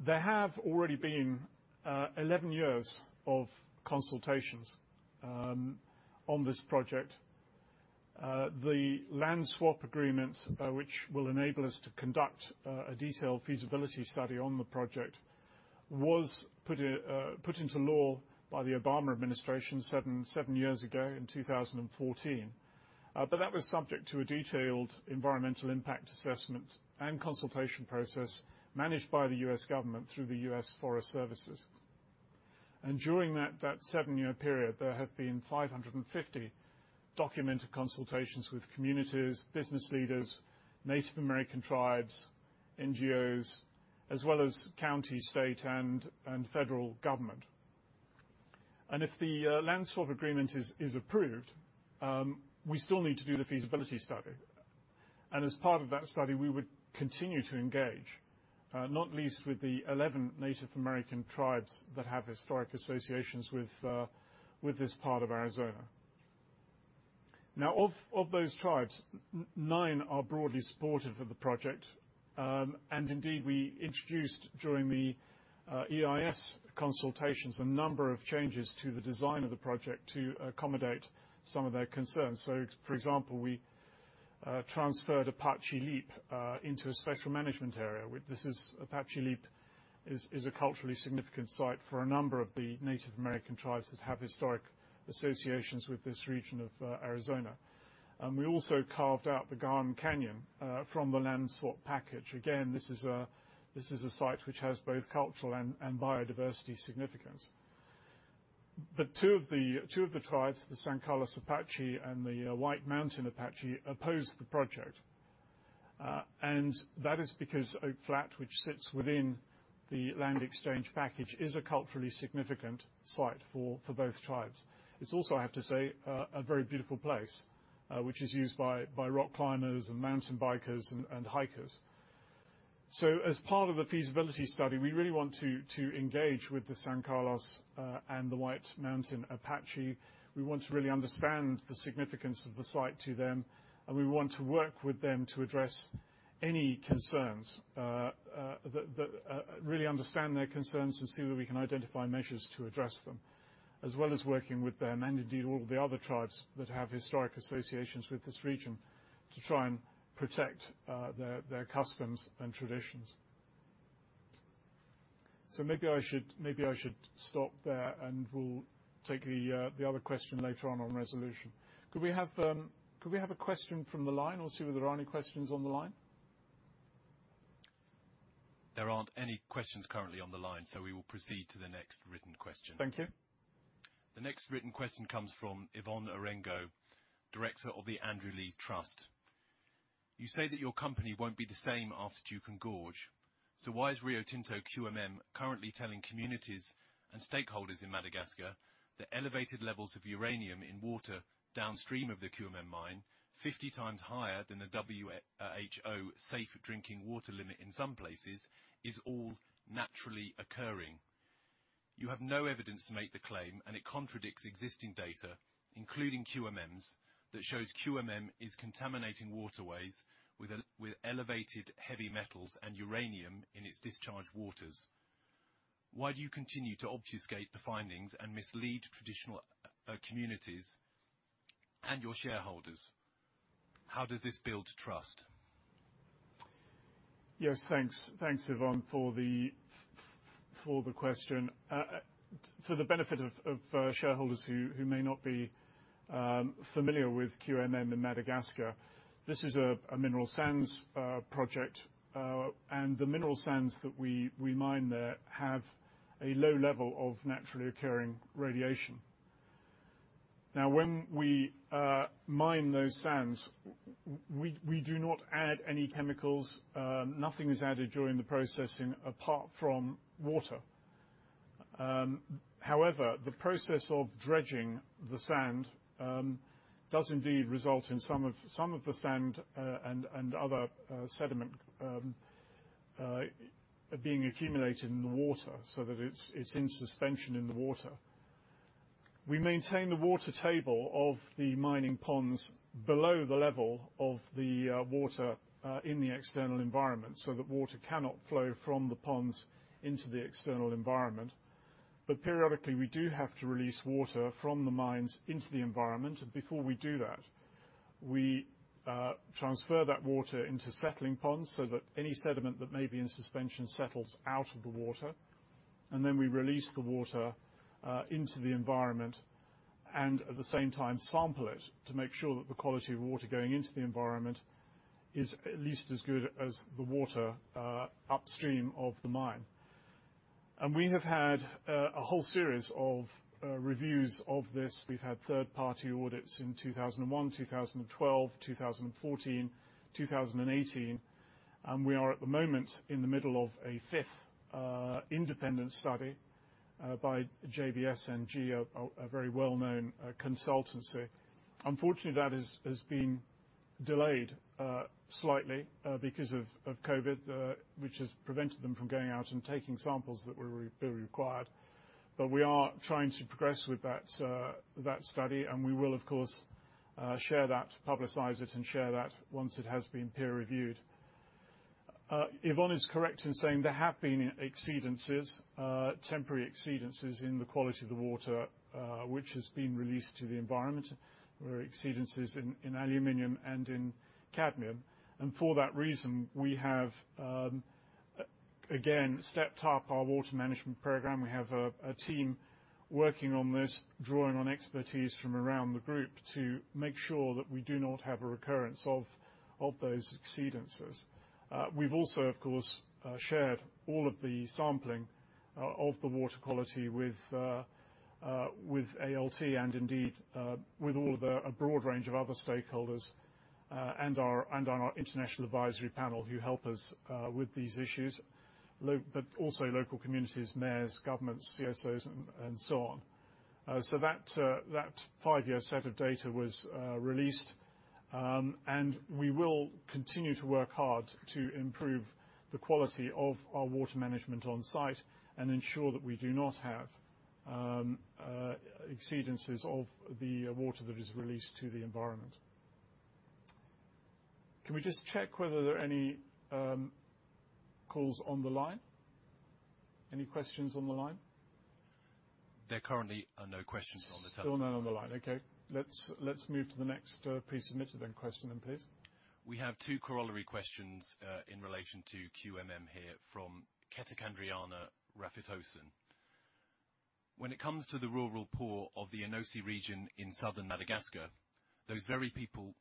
Speaker 1: There have already been 11 years of consultations on this project. The land swap agreement, which will enable us to conduct a detailed feasibility study on the project, was put into law by the Obama administration seven years ago in 2014. That was subject to a detailed environmental impact assessment and consultation process managed by the U.S. government through the U.S. Forest Services. During that seven-year period, there have been 550 documented consultations with communities, business leaders, Native American tribes, NGOs, as well as county, state, and federal government. If the land swap agreement is approved, we still need to do the feasibility study. As part of that study, we would continue to engage, not least with the 11 Native American tribes that have historic associations with this part of Arizona. Now, of those tribes, nine are broadly supportive of the project. Indeed, we introduced during the EIS consultations, a number of changes to the design of the project to accommodate some of their concerns. For example, we transferred Apache Leap into a special management area. Apache Leap is a culturally significant site for a number of the Native American tribes that have historic associations with this region of Arizona. We also carved out the Ga'an Canyon from the land swap package. Again, this is a site which has both cultural and biodiversity significance. Two of the tribes, the San Carlos Apache and the White Mountain Apache, oppose the project. That is because Oak Flat, which sits within the land exchange package, is a culturally significant site for both tribes. It's also, I have to say, a very beautiful place, which is used by rock climbers and mountain bikers and hikers. As part of the feasibility study, we really want to engage with the San Carlos and the White Mountain Apache. We want to really understand the significance of the site to them, and we want to work with them to address any concerns, really understand their concerns and see whether we can identify measures to address them, as well as working with them and indeed all of the other tribes that have historic associations with this region to try to protect their customs and traditions. Maybe I should stop there, and we'll take the other question later on Resolution. Could we have a question from the line? I'll see whether there are any questions on the line.
Speaker 5: There aren't any questions currently on the line, so we will proceed to the next written question.
Speaker 1: Thank you.
Speaker 5: The next written question comes from Yvonne Orengo, Director of the Andrew Lees Trust. You say that your company won't be the same after Juukan Gorge. Why is Rio Tinto QMM currently telling communities and stakeholders in Madagascar that elevated levels of uranium in water downstream of the QMM mine, 50x higher than the WHO safe drinking water limit in some places, is all naturally occurring? You have no evidence to make the claim, and it contradicts existing data, including QMM's, that shows QMM is contaminating waterways with elevated heavy metals and uranium in its discharge waters. Why do you continue to obfuscate the findings and mislead traditional communities and your shareholders? How does this build trust?
Speaker 1: Yes, thanks. Thanks, Yvonne, for the question. For the benefit of shareholders who may not be familiar with QMM in Madagascar, this is a mineral sands project. The mineral sands that we mine there have a low level of naturally occurring radiation. Now, when we mine those sands, we do not add any chemicals. Nothing is added during the processing apart from water. However, the process of dredging the sand does indeed result in some of the sand and other sediment being accumulated in the water so that it's in suspension in the water. We maintain the water table of the mining ponds below the level of the water in the external environment so that water cannot flow from the ponds into the external environment. Periodically, we do have to release water from the mines into the environment. Before we do that, we transfer that water into settling ponds so that any sediment that may be in suspension settles out of the water, and then we release the water into the environment and at the same time sample it to make sure that the quality of water going into the environment is at least as good as the water upstream of the mine. We have had a whole series of reviews of this. We've had third-party audits in 2001, 2012, 2014, 2018, and we are at the moment in the middle of a fifth independent study by JBS&G, a very well-known consultancy. Unfortunately, that has been delayed slightly because of COVID, which has prevented them from going out and taking samples that were required. We are trying to progress with that study, and we will, of course, publicize it and share that once it has been peer-reviewed. Yvonne is correct in saying there have been temporary exceedances in the quality of the water which has been released to the environment. There were exceedances in aluminum and in cadmium. For that reason, we have, again, stepped up our water management program. We have a team working on this, drawing on expertise from around the group to make sure that we do not have a recurrence of those exceedances. We've also, of course, shared all of the sampling of the water quality with ALT and indeed with a broad range of other stakeholders and on our international advisory panel who help us with these issues, but also local communities, mayors, governments, CSOs, and so on. That five-year set of data was released. We will continue to work hard to improve the quality of our water management on-site and ensure that we do not have exceedances of the water that is released to the environment. Can we just check whether there are any calls on the line? Any questions on the line?
Speaker 5: There currently are no questions on the telephone.
Speaker 1: Still none on the line. Okay. Let's move to the next pre-submitted then question, please.
Speaker 5: We have two corollary questions in relation to QMM here from Ketakandriana Rafitoson. When it comes to the rural poor of the Anosy Region in Southern Madagascar, those very people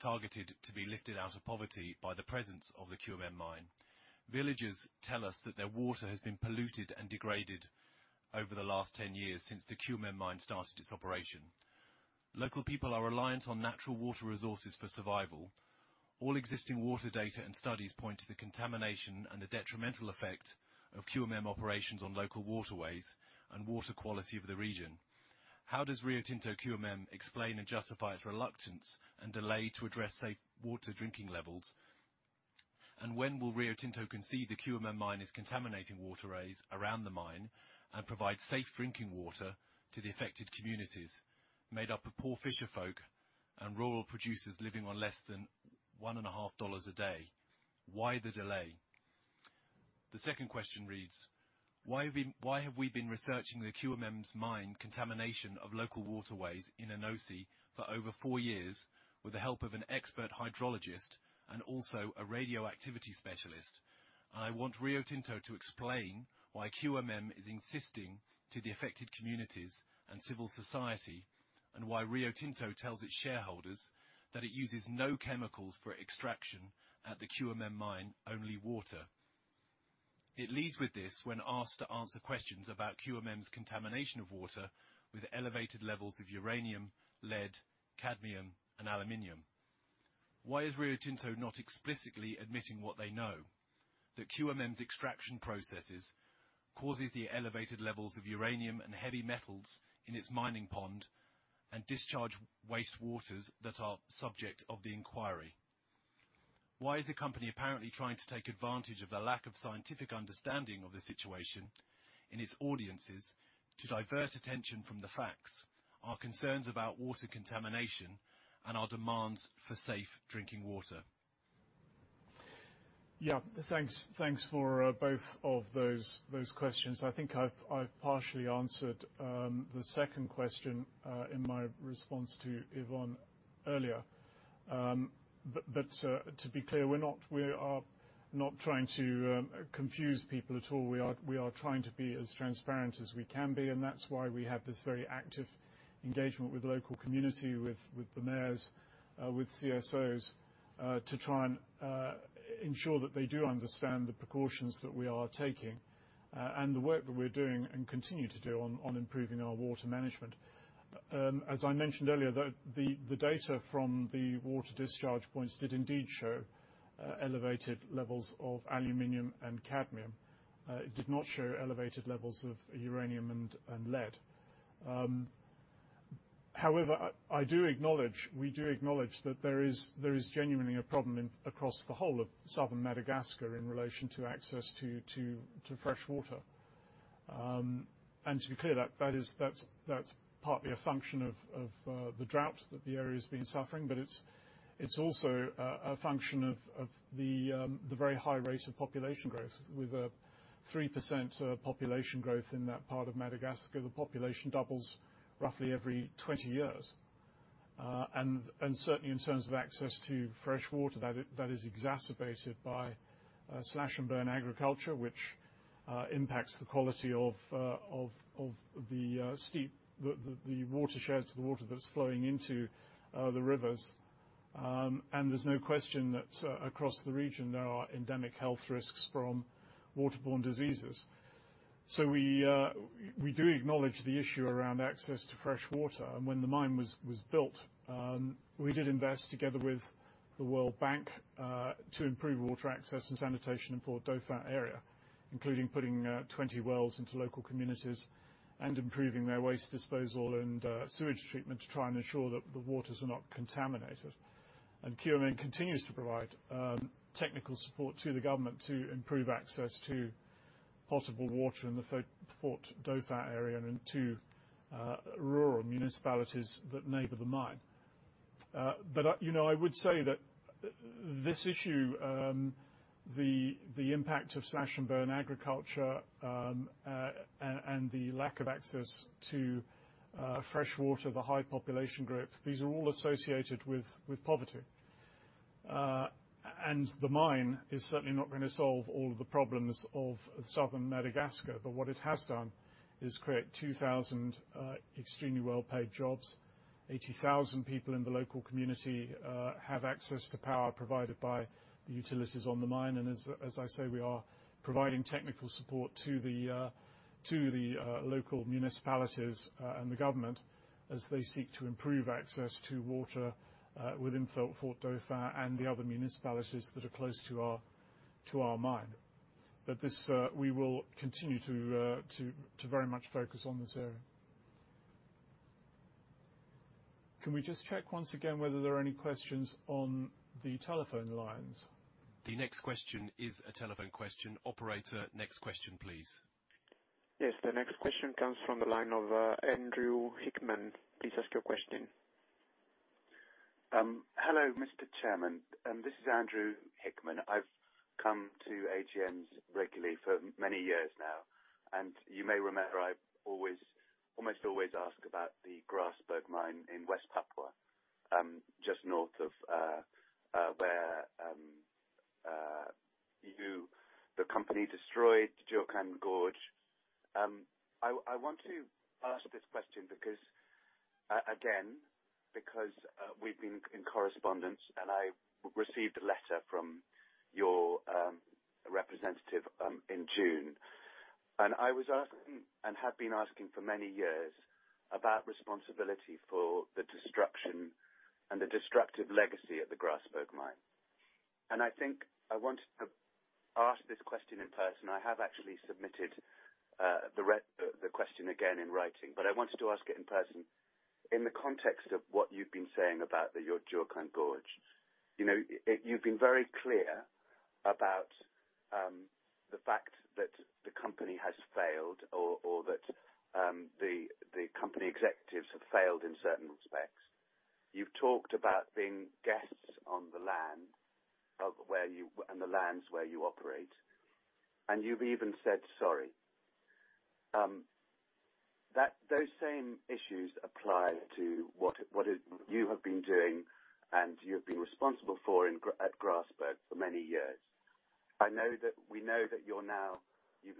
Speaker 5: targeted to be lifted out of poverty by the presence of the QMM mine, villagers tell us that their water has been polluted and degraded over the last 10 years since the QMM mine started its operation. Local people are reliant on natural water resources for survival. All existing water data and studies point to the contamination and the detrimental effect of QMM operations on local waterways and water quality of the region. How does Rio Tinto QMM explain and justify its reluctance and delay to address safe water drinking levels? When will Rio Tinto concede the QMM mine is contaminating waterways around the mine and provide safe drinking water to the affected communities made up of poor fisher folk and rural producers living on less than $1.5 dollars a day? Why the delay? The second question reads: Why have we been researching the QMM’s mine contamination of local waterways in Anosy for over four years with the help of an expert hydrologist and also a radioactivity specialist? I want Rio Tinto to explain why QMM is insisting to the affected communities and civil society, and why Rio Tinto tells its shareholders that it uses no chemicals for extraction at the QMM mine, only water. It leads with this when asked to answer questions about QMM’s contamination of water with elevated levels of uranium, lead, cadmium, and aluminum. Why is Rio Tinto not explicitly admitting what they know? That QMM's extraction processes causes the elevated levels of uranium and heavy metals in its mining pond, and discharge waste waters that are subject of the inquiry. Why is the company apparently trying to take advantage of the lack of scientific understanding of the situation in its audiences to divert attention from the facts, our concerns about water contamination, and our demands for safe drinking water?
Speaker 1: Yeah. Thanks for both of those questions. I think I've partially answered the second question in my response to Yvonne earlier. To be clear, we are not trying to confuse people at all. We are trying to be as transparent as we can be, and that's why we have this very active engagement with local community, with the mayors, with CSOs, to try and ensure that they do understand the precautions that we are taking and the work that we're doing and continue to do on improving our water management. As I mentioned earlier, the data from the water discharge points did indeed show elevated levels of aluminum and cadmium. It did not show elevated levels of uranium and lead. I do acknowledge, we do acknowledge that there is genuinely a problem across the whole of southern Madagascar in relation to access to fresh water. To be clear, that's partly a function of the drought that the area's been suffering, but it's also a function of the very high rate of population growth, with a 3% population growth in that part of Madagascar. The population doubles roughly every 20 years. Certainly in terms of access to fresh water, that is exacerbated by slash and burn agriculture, which impacts the quality of the steep, the watersheds, the water that's flowing into the rivers. There's no question that across the region, there are endemic health risks from waterborne diseases. We do acknowledge the issue around access to fresh water. When the mine was built, we did invest together with the World Bank, to improve water access and sanitation in Fort Dauphin area, including putting 20 wells into local communities and improving their waste disposal and sewage treatment to try and ensure that the waters are not contaminated. QMM continues to provide technical support to the government to improve access to potable water in the Fort Dauphin area and into rural municipalities that neighbor the mine. I would say that this issue, the impact of slash and burn agriculture, and the lack of access to fresh water, the high population growth, these are all associated with poverty. The mine is certainly not going to solve all of the problems of southern Madagascar. What it has done is create 2,000 extremely well-paid jobs. 80,000 people in the local community have access to power provided by the utilities on the mine. As I say, we are providing technical support to the local municipalities and the government as they seek to improve access to water within Fort Dauphin and the other municipalities that are close to our mine. We will continue to very much focus on this area. Can we just check once again whether there are any questions on the telephone lines?
Speaker 5: The next question is a telephone question. Operator, next question, please.
Speaker 6: Yes, the next question comes from the line of Andrew Hickman. Please ask your question.
Speaker 7: Hello, Mr. Chairman. This is Andrew Hickman. I've come to AGMs regularly for many years now. You may remember, I almost always ask about the Grasberg mine in West Papua, just north of where the company destroyed Juukan Gorge. I want to ask this question, again, because we've been in correspondence, and I received a letter from your representative in June. I was asking, and have been asking for many years, about responsibility for the destruction and the destructive legacy of the Grasberg mine. I think I wanted to ask this question in person. I have actually submitted the question again in writing, but I wanted to ask it in person. In the context of what you've been saying about your Juukan Gorge. You've been very clear about the fact that the company has failed or that the company executives have failed in certain respects. You've talked about being guests on the land and the lands where you operate, and you've even said sorry. Those same issues apply to what you have been doing and you've been responsible for at Grasberg for many years. We know that you've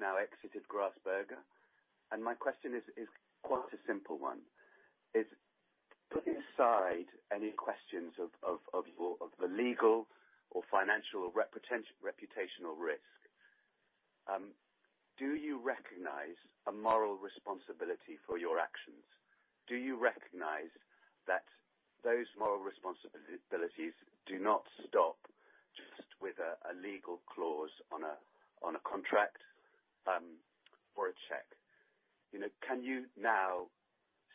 Speaker 7: now exited Grasberg. My question is quite a simple one. Putting aside any questions of the legal or financial reputational risk, do you recognize a moral responsibility for your actions? Do you recognize that those moral responsibilities do not stop just with a legal clause on a contract or a check? Can you now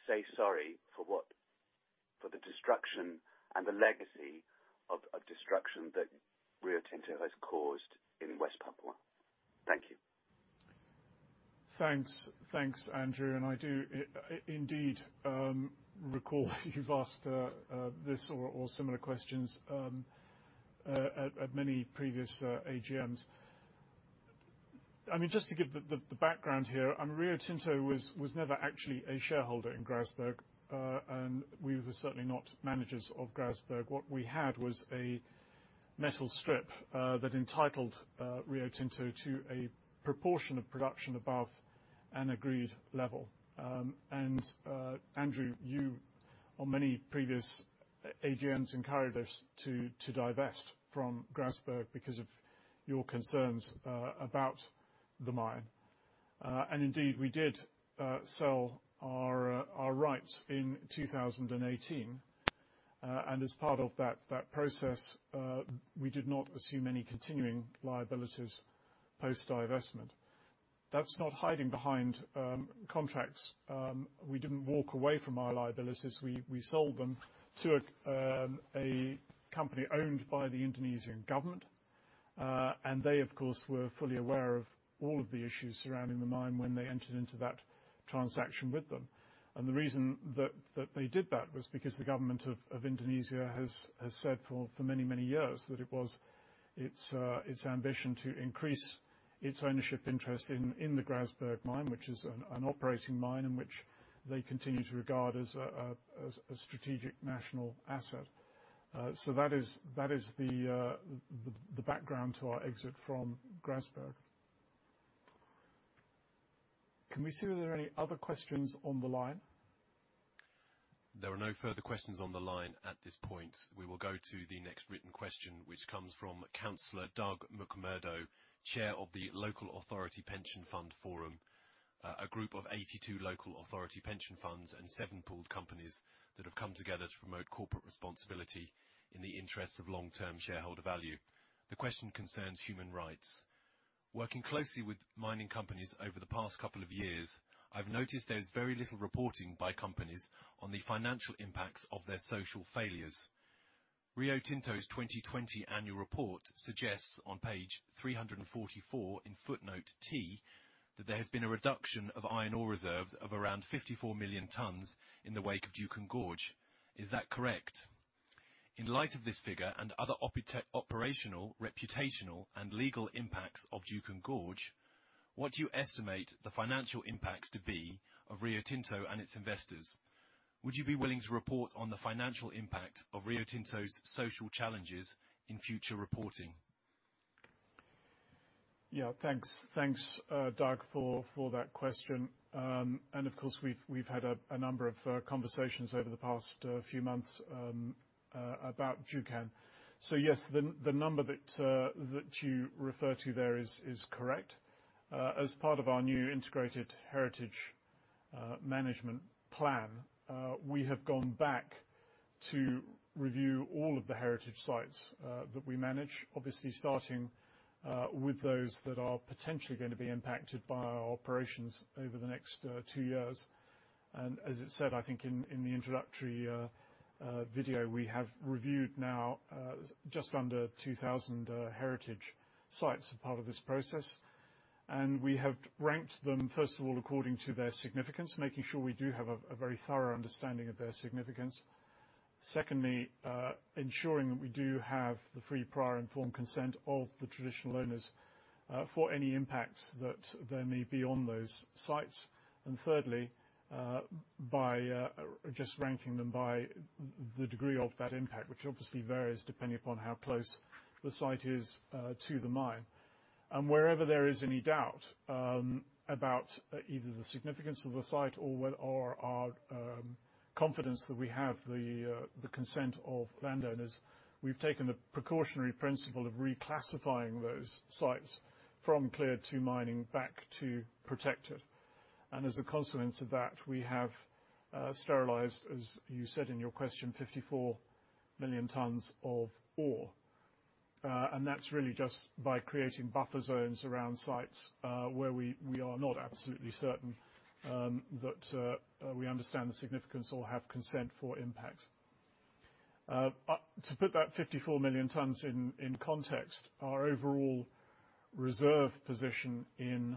Speaker 7: say sorry for the destruction and the legacy of destruction that Rio Tinto has caused in West Papua? Thank you.
Speaker 1: Thanks, Andrew. I do indeed recall that you've asked this or similar questions at many previous AGMs. Just to give the background here, Rio Tinto was never actually a shareholder in Grasberg, and we were certainly not managers of Grasberg. What we had was a metal strip that entitled Rio Tinto to a proportion of production above an agreed level. Andrew, you on many previous AGMs encouraged us to divest from Grasberg because of your concerns about the mine. Indeed, we did sell our rights in 2018. As part of that process, we did not assume any continuing liabilities post-divestment. That's not hiding behind contracts. We didn't walk away from our liabilities. We sold them to a company owned by the Indonesian government. They, of course, were fully aware of all of the issues surrounding the mine when they entered into that transaction with them. The reason that they did that was because the government of Indonesia has said for many, many years that it was its ambition to increase its ownership interest in the Grasberg mine, which is an operating mine and which they continue to regard as a strategic national asset. That is the background to our exit from Grasberg. Can we see if there are any other questions on the line?
Speaker 5: There are no further questions on the line at this point. We will go to the next written question, which comes from Counselor Doug McMurdo, Chair of the Local Authority Pension Fund Forum, a group of 82 local authority pension funds and seven pooled companies that have come together to promote corporate responsibility in the interests of long-term shareholder value. The question concerns human rights. Working closely with mining companies over the past couple of years, I've noticed there is very little reporting by companies on the financial impacts of their social failures. Rio Tinto's 2020 annual report suggests on page 344 in footnote T that there has been a reduction of iron ore reserves of around 54 million tons in the wake of Juukan Gorge. Is that correct? In light of this figure and other operational, reputational, and legal impacts of Juukan Gorge, what do you estimate the financial impacts to be of Rio Tinto and its investors? Would you be willing to report on the financial impact of Rio Tinto's social challenges in future reporting?
Speaker 1: Thanks, Doug, for that question. Of course, we've had a number of conversations over the past few months about Juukan. Yes, the number that you refer to there is correct. As part of our new Integrated Heritage Management Plan, we have gone back to review all of the heritage sites that we manage, obviously starting with those that are potentially going to be impacted by our operations over the next two years. As it said, I think in the introductory video, we have reviewed now just under 2,000 heritage sites as part of this process. We have ranked them, first of all, according to their significance, making sure we do have a very thorough understanding of their significance. Secondly, ensuring that we do have the free prior informed consent of the traditional owners for any impacts that there may be on those sites. Thirdly, by just ranking them by the degree of that impact, which obviously varies depending upon how close the site is to the mine. Wherever there is any doubt about either the significance of the site or our confidence that we have the consent of landowners, we've taken the precautionary principle of reclassifying those sites from clear to mining back to protected. As a consequence of that, we have sterilized, as you said in your question, 54 million tons of ore. That's really just by creating buffer zones around sites where we are not absolutely certain that we understand the significance or have consent for impacts. To put that 54 million tons in context, our overall reserve position in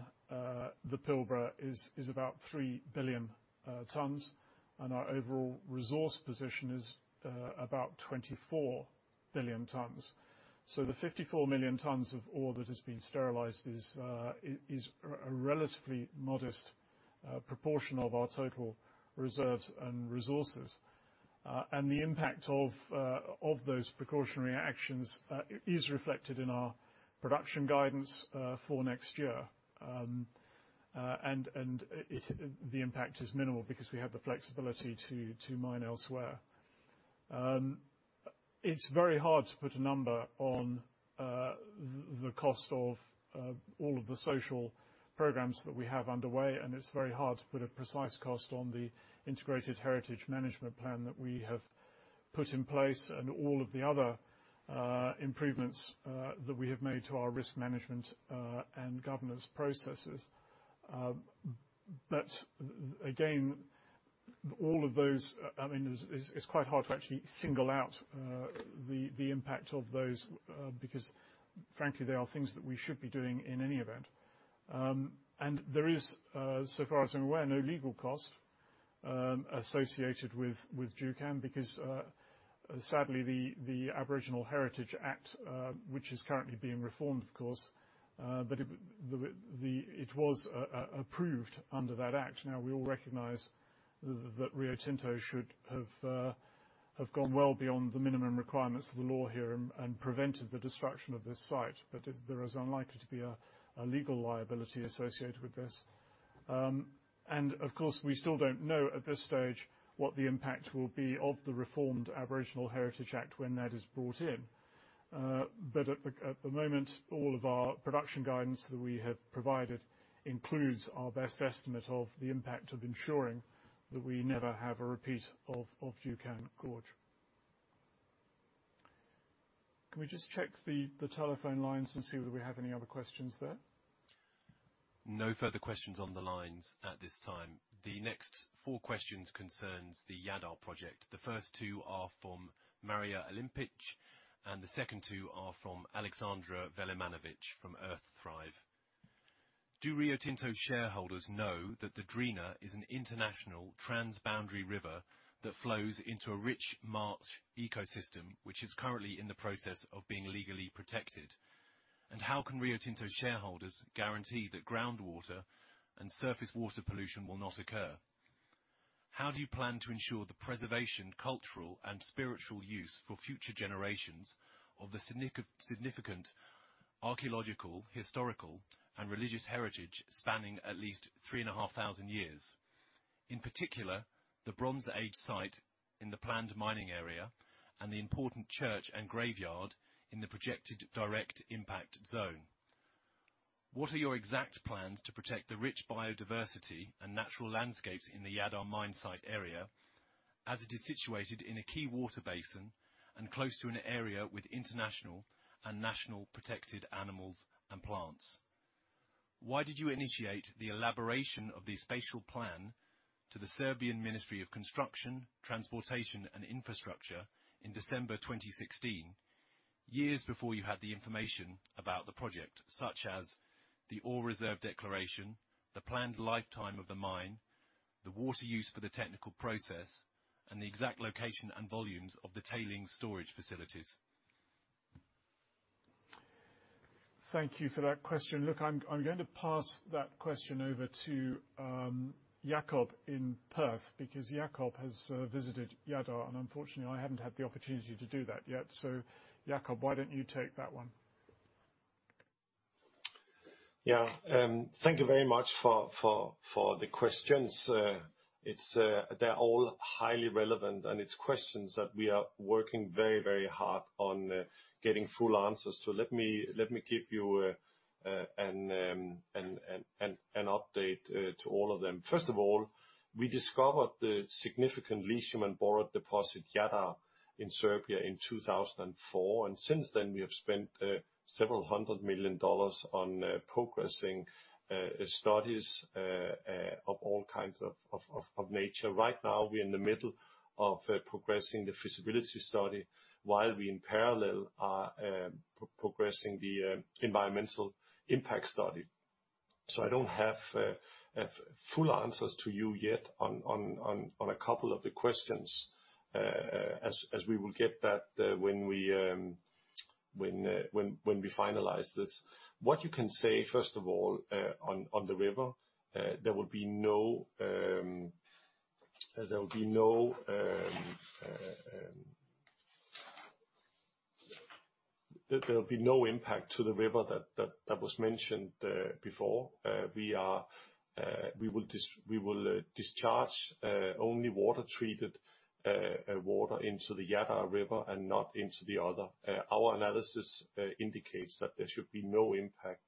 Speaker 1: the Pilbara is about 3 billion tons, and our overall resource position is about 24 billion tons. The 54 million tons of ore that has been sterilized is a relatively modest proportion of our total reserves and resources. The impact of those precautionary actions is reflected in our production guidance for next year. The impact is minimal because we have the flexibility to mine elsewhere. It's very hard to put a number on the cost of all of the social programs that we have underway, and it's very hard to put a precise cost on the Integrated Heritage Management Plan that we have put in place and all of the other improvements that we have made to our risk management, and governance processes. All of those, it's quite hard to actually single out the impact of those, because frankly, they are things that we should be doing in any event. There is, so far as I'm aware, no legal cost associated with Juukan because, sadly the Aboriginal Heritage Act, which is currently being reformed, of course. It was approved under that act. Now we all recognize that Rio Tinto should have gone well beyond the minimum requirements of the law here and prevented the destruction of this site. There is unlikely to be a legal liability associated with this. Of course, we still don't know at this stage what the impact will be of the reformed Aboriginal Heritage Act when that is brought in. At the moment, all of our production guidance that we have provided includes our best estimate of the impact of ensuring that we never have a repeat of Juukan Gorge. Can we just check the telephone lines and see whether we have any other questions there?
Speaker 5: No further questions on the lines at this time. The next four questions concerns the Jadar Project. The first two are from Marija Alimpić, and the second two are from Aleksandra Velimanović from Earth Thrive. Do Rio Tinto shareholders know that the Drina is an international trans-boundary river that flows into a rich marsh ecosystem, which is currently in the process of being legally protected? How can Rio Tinto shareholders guarantee that groundwater and surface water pollution will not occur? How do you plan to ensure the preservation, cultural, and spiritual use for future generations of the significant archaeological, historical, and religious heritage spanning at least 3,500 years? In particular, the Bronze Age site in the planned mining area and the important church and graveyard in the projected direct impact zone. What are your exact plans to protect the rich biodiversity and natural landscapes in the Jadar mine site area, as it is situated in a key water basin and close to an area with international and national protected animals and plants? Why did you initiate the elaboration of the spatial plan to the Serbian Ministry of Construction, Transport, and Infrastructure in December 2016, years before you had the information about the project, such as the ore reserve declaration, the planned lifetime of the mine, the water use for the technical process, and the exact location and volumes of the tailings storage facilities?
Speaker 1: Thank you for that question. Look, I'm going to pass that question over to Jakob in Perth because Jakob has visited Jadar, and unfortunately, I haven't had the opportunity to do that yet. Jakob, why don't you take that one?
Speaker 3: Thank you very much for the questions. They're all highly relevant and it's questions that we are working very hard on getting full answers to. Let me give you an update to all of them. First of all, we discovered the significant lithium and boron deposit, Jadar, in Serbia in 2004. Since then, we have spent several hundred million dollars on progressing studies of all kinds of nature. Right now, we're in the middle of progressing the feasibility study while we, in parallel, are progressing the environmental impact study. I don't have full answers to you yet on a couple of the questions, as we will get that when we finalize this. What you can say, first of all, on the river, there will be no impact to the river that was mentioned before. We will discharge only water-treated water into the Jadar River and not into the other. Our analysis indicates that there should be no impact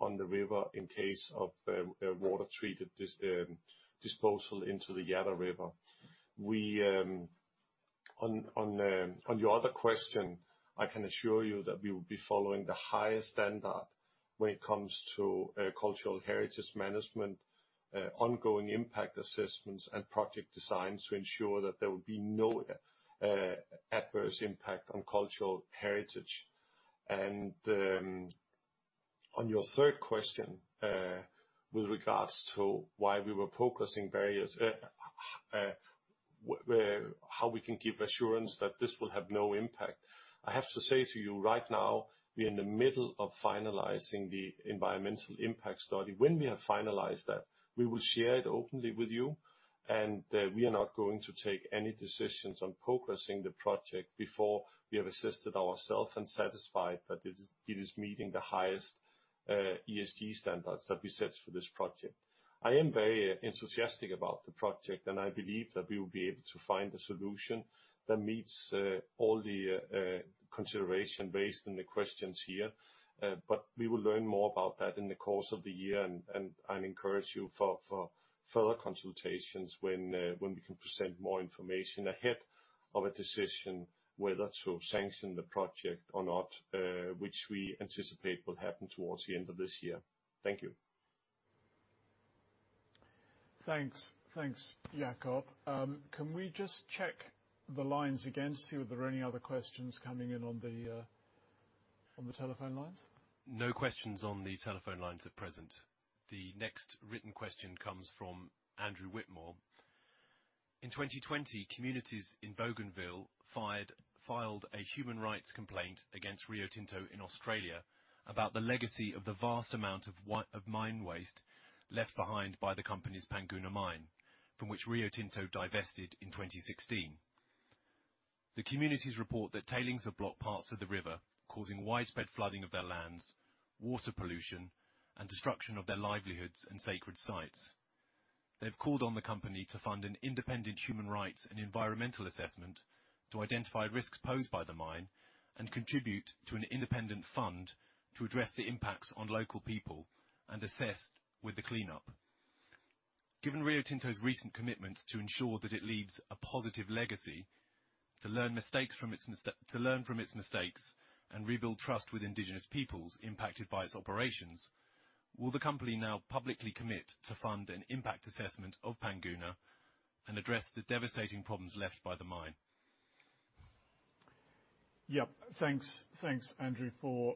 Speaker 3: on the river in case of water-treated disposal into the Jadar River. On your other question, I can assure you that we will be following the highest standard when it comes to cultural heritage management, ongoing impact assessments, and project designs to ensure that there will be no adverse impact on cultural heritage. On your third question, with regards to why we were progressing, how we can give assurance that this will have no impact. I have to say to you right now, we are in the middle of finalizing the environmental impact study. When we have finalized that, we will share it openly with you. We are not going to take any decisions on progressing the project before we have assessed ourself and satisfied that it is meeting the highest ESG standards that we set for this project. I am very enthusiastic about the project. I believe that we will be able to find a solution that meets all the consideration based on the questions here. We will learn more about that in the course of the year. I encourage you for further consultations when we can present more information ahead of a decision whether to sanction the project or not, which we anticipate will happen towards the end of this year. Thank you.
Speaker 1: Thanks. Thanks, Jakob. Can we just check the lines again to see if there are any other questions coming in on the telephone lines?
Speaker 5: No questions on the telephone lines at present. The next written question comes from Andrew Whitmore. In 2020, communities in Bougainville filed a human rights complaint against Rio Tinto in Australia about the legacy of the vast amount of mine waste left behind by the company's Panguna Mine, from which Rio Tinto divested in 2016. The communities report that tailings have blocked parts of the river, causing widespread flooding of their lands, water pollution, and destruction of their livelihoods and sacred sites. They've called on the company to fund an independent human rights and environmental assessment to identify risks posed by the mine and contribute to an independent fund to address the impacts on local people and assist with the cleanup. Given Rio Tinto's recent commitments to ensure that it leaves a positive legacy, to learn from its mistakes, and rebuild trust with indigenous peoples impacted by its operations, will the company now publicly commit to fund an impact assessment of Panguna and address the devastating problems left by the mine?
Speaker 1: Thanks Andrew for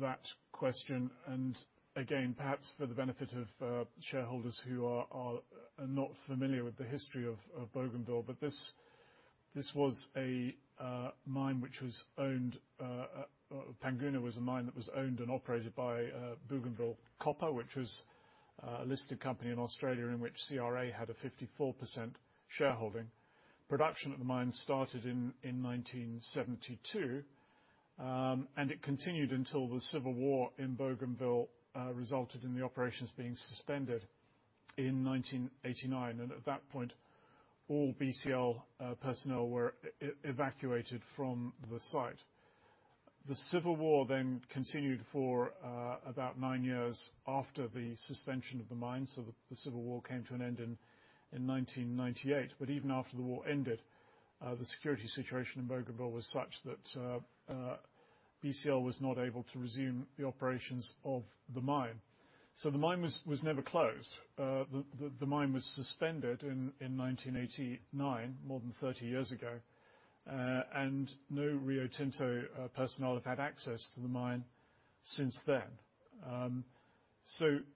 Speaker 1: that question. Again, perhaps for the benefit of shareholders who are not familiar with the history of Bougainville, Panguna was a mine that was owned and operated by Bougainville Copper, which was a listed company in Australia in which CRA had a 54% shareholding. Production at the mine started in 1972. It continued until the civil war in Bougainville resulted in the operations being suspended in 1989. At that point, all BCL personnel were evacuated from the site. The civil war continued for about nine years after the suspension of the mine. The civil war came to an end in 1998. Even after the war ended, the security situation in Bougainville was such that BCL was not able to resume the operations of the mine. The mine was never closed. The mine was suspended in 1989, more than 30 years ago. No Rio Tinto personnel have had access to the mine since then.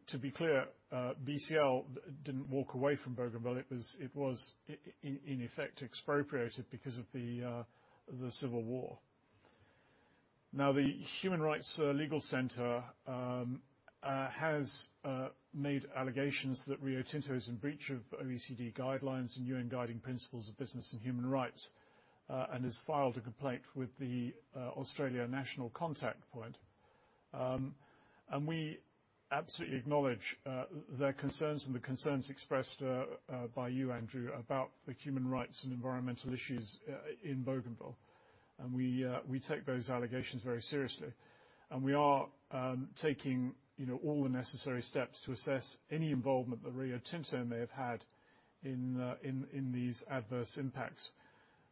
Speaker 1: To be clear, BCL didn't walk away from Bougainville. It was in effect expropriated because of the civil war. The Human Rights Law Centre has made allegations that Rio Tinto is in breach of OECD guidelines and UN Guiding Principles on Business and Human Rights, and has filed a complaint with the Australian National Contact Point. We absolutely acknowledge their concerns and the concerns expressed by you, Andrew, about the human rights and environmental issues in Bougainville. We take those allegations very seriously. We are taking all the necessary steps to assess any involvement that Rio Tinto may have had in these adverse impacts.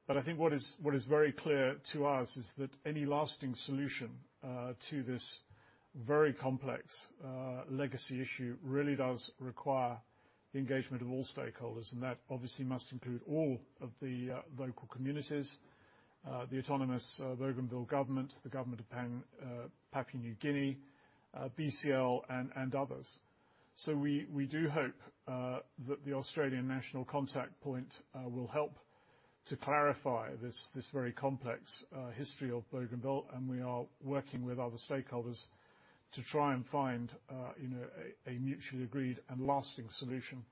Speaker 1: I think what is very clear to us is that any lasting solution to this very complex legacy issue really does require the engagement of all stakeholders, and that obviously must include all of the local communities, the Autonomous Bougainville Government, the Government of Papua New Guinea, BCL, and others. We do hope that the Australian National Contact Point will help to clarify this very complex history of Bougainville, and we are working with other stakeholders to try and find a mutually agreed and lasting solution.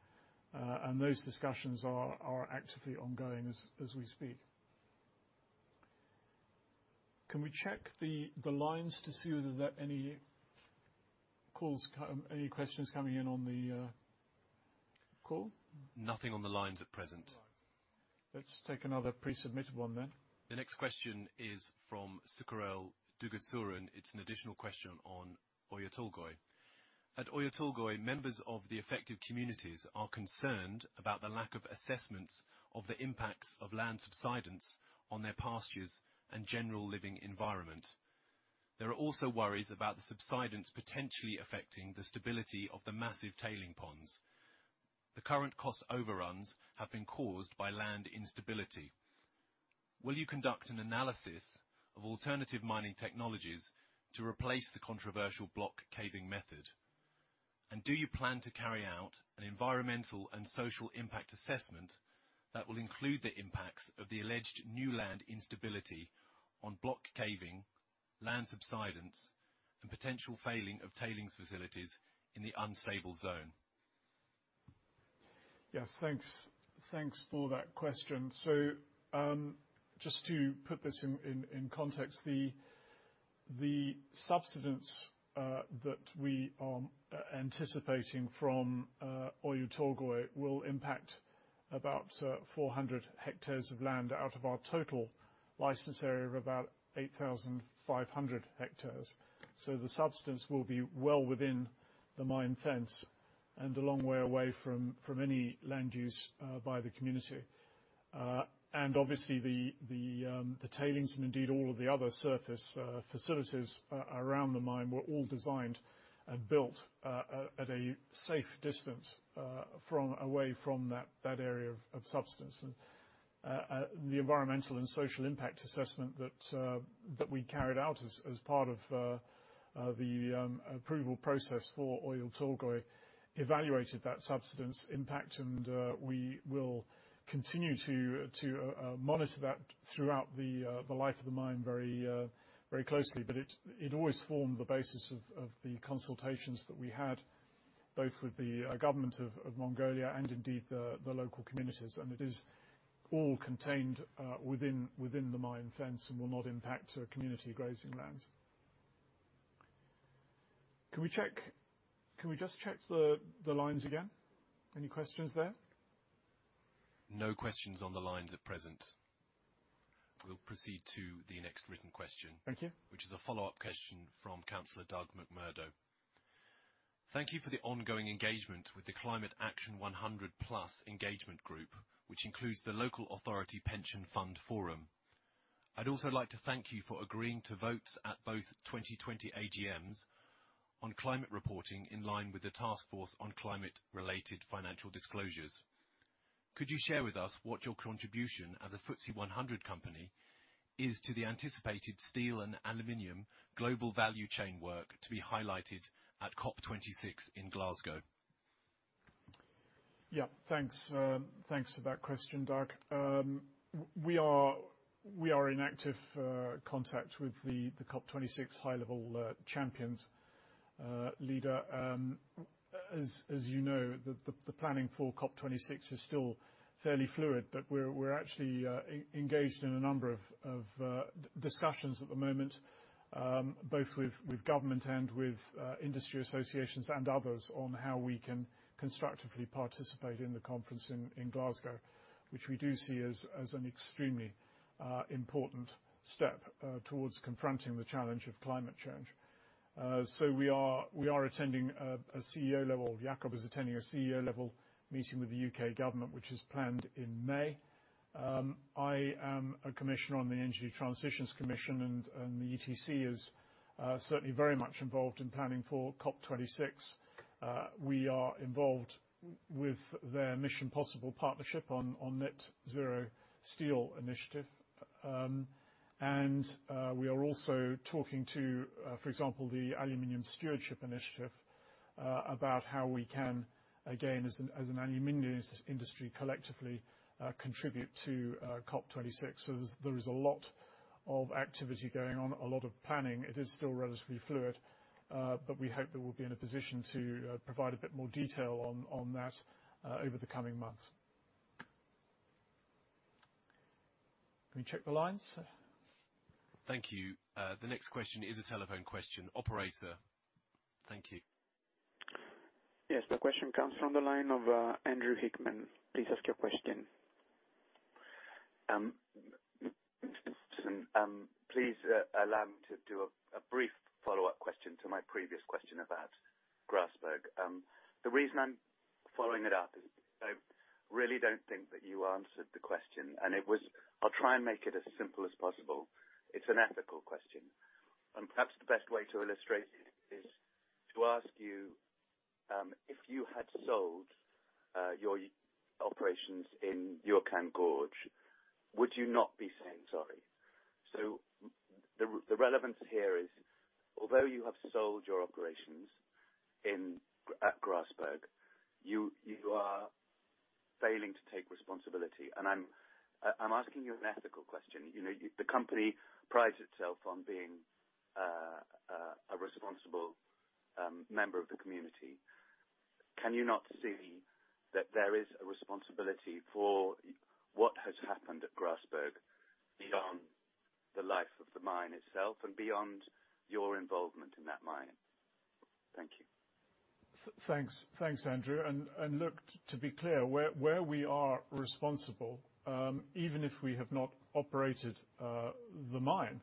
Speaker 1: Those discussions are actively ongoing as we speak. Can we check the lines to see whether there are any questions coming in on the call?
Speaker 5: Nothing on the lines at present.
Speaker 1: All right. Let's take another pre-submitted one then.
Speaker 5: The next question is from Sukhgerel Dugersuren. It's an additional question on Oyu Tolgoi. At Oyu Tolgoi, members of the affected communities are concerned about the lack of assessments of the impacts of land subsidence on their pastures and general living environment. There are also worries about the subsidence potentially affecting the stability of the massive tailing ponds. The current cost overruns have been caused by land instability. Will you conduct an analysis of alternative mining technologies to replace the controversial block caving method? Do you plan to carry out an environmental and social impact assessment that will include the impacts of the alleged new land instability on block caving, land subsidence, and potential failing of tailings facilities in the unstable zone?
Speaker 1: Yes. Thanks for that question. Just to put this in context, the subsidence that we are anticipating from Oyu Tolgoi will impact about 400 hectares of land out of our total license area of about 8,500 hectares. The subsidence will be well within the mine fence and a long way away from any land use by the community. Obviously the tailings and indeed all of the other surface facilities around the mine were all designed and built at a safe distance away from that area of subsidence. The environmental and social impact assessment that we carried out as part of the approval process for Oyu Tolgoi evaluated that subsidence impact. We will continue to monitor that throughout the life of the mine very closely. It always formed the basis of the consultations that we had, both with the government of Mongolia and indeed the local communities. It is all contained within the mine fence and will not impact community grazing lands. Can we just check the lines again? Any questions there?
Speaker 5: No questions on the lines at present. We'll proceed to the next written question.
Speaker 1: Thank you.
Speaker 5: Which is a follow-up question from Councilor Doug McMurdo. Thank you for the ongoing engagement with the Climate Action 100+ engagement group, which includes the Local Authority Pension Fund Forum. I'd also like to thank you for agreeing to vote at both 2020 AGMs on climate reporting in line with the Task Force on Climate-related Financial Disclosures. Could you share with us what your contribution as a FTSE 100 company is to the anticipated steel and aluminum global value chain work to be highlighted at COP26 in Glasgow?
Speaker 1: Yeah. Thanks for that question, Doug. We are in active contact with the COP26 high-level champions leader. As you know, the planning for COP26 is still fairly fluid, but we're actually engaged in a number of discussions at the moment both with government and with industry associations and others on how we can constructively participate in the conference in Glasgow, which we do see as an extremely important step towards confronting the challenge of climate change. Jakob is attending a CEO-level meeting with the U.K. government, which is planned in May. I am a commissioner on the Energy Transitions Commission and the ETC is certainly very much involved in planning for COP26. We are involved with their Mission Possible Partnership on Net-Zero Steel Initiative. We are also talking to for example, the Aluminium Stewardship Initiative, about how we can, again, as an aluminum industry, collectively contribute to COP26. There is a lot of activity going on, a lot of planning. It is still relatively fluid. We hope that we'll be in a position to provide a bit more detail on that over the coming months. Can we check the lines?
Speaker 5: Thank you. The next question is a telephone question. Operator. Thank you.
Speaker 6: Yes. The question comes from the line of Andrew Hickman. Please ask your question.
Speaker 7: Thanks, Jason. Please allow me to do a brief follow-up question to my previous question about Grasberg. The reason I'm following it up is I really don't think that you answered the question, and I'll try and make it as simple as possible. It's an ethical question. Perhaps the best way to illustrate it is to ask you if you had sold your operations in Juukan Gorge, would you not be saying sorry? The relevance here is although you have sold your operations at Grasberg, you are failing to take responsibility and I'm asking you an ethical question. The company prides itself on being a responsible member of the community. Can you not see that there is a responsibility for what has happened at Grasberg beyond the life of the mine itself and beyond your involvement in that mine? Thank you.
Speaker 1: Thanks, Andrew. Look to be clear, where we are responsible, even if we have not operated the mine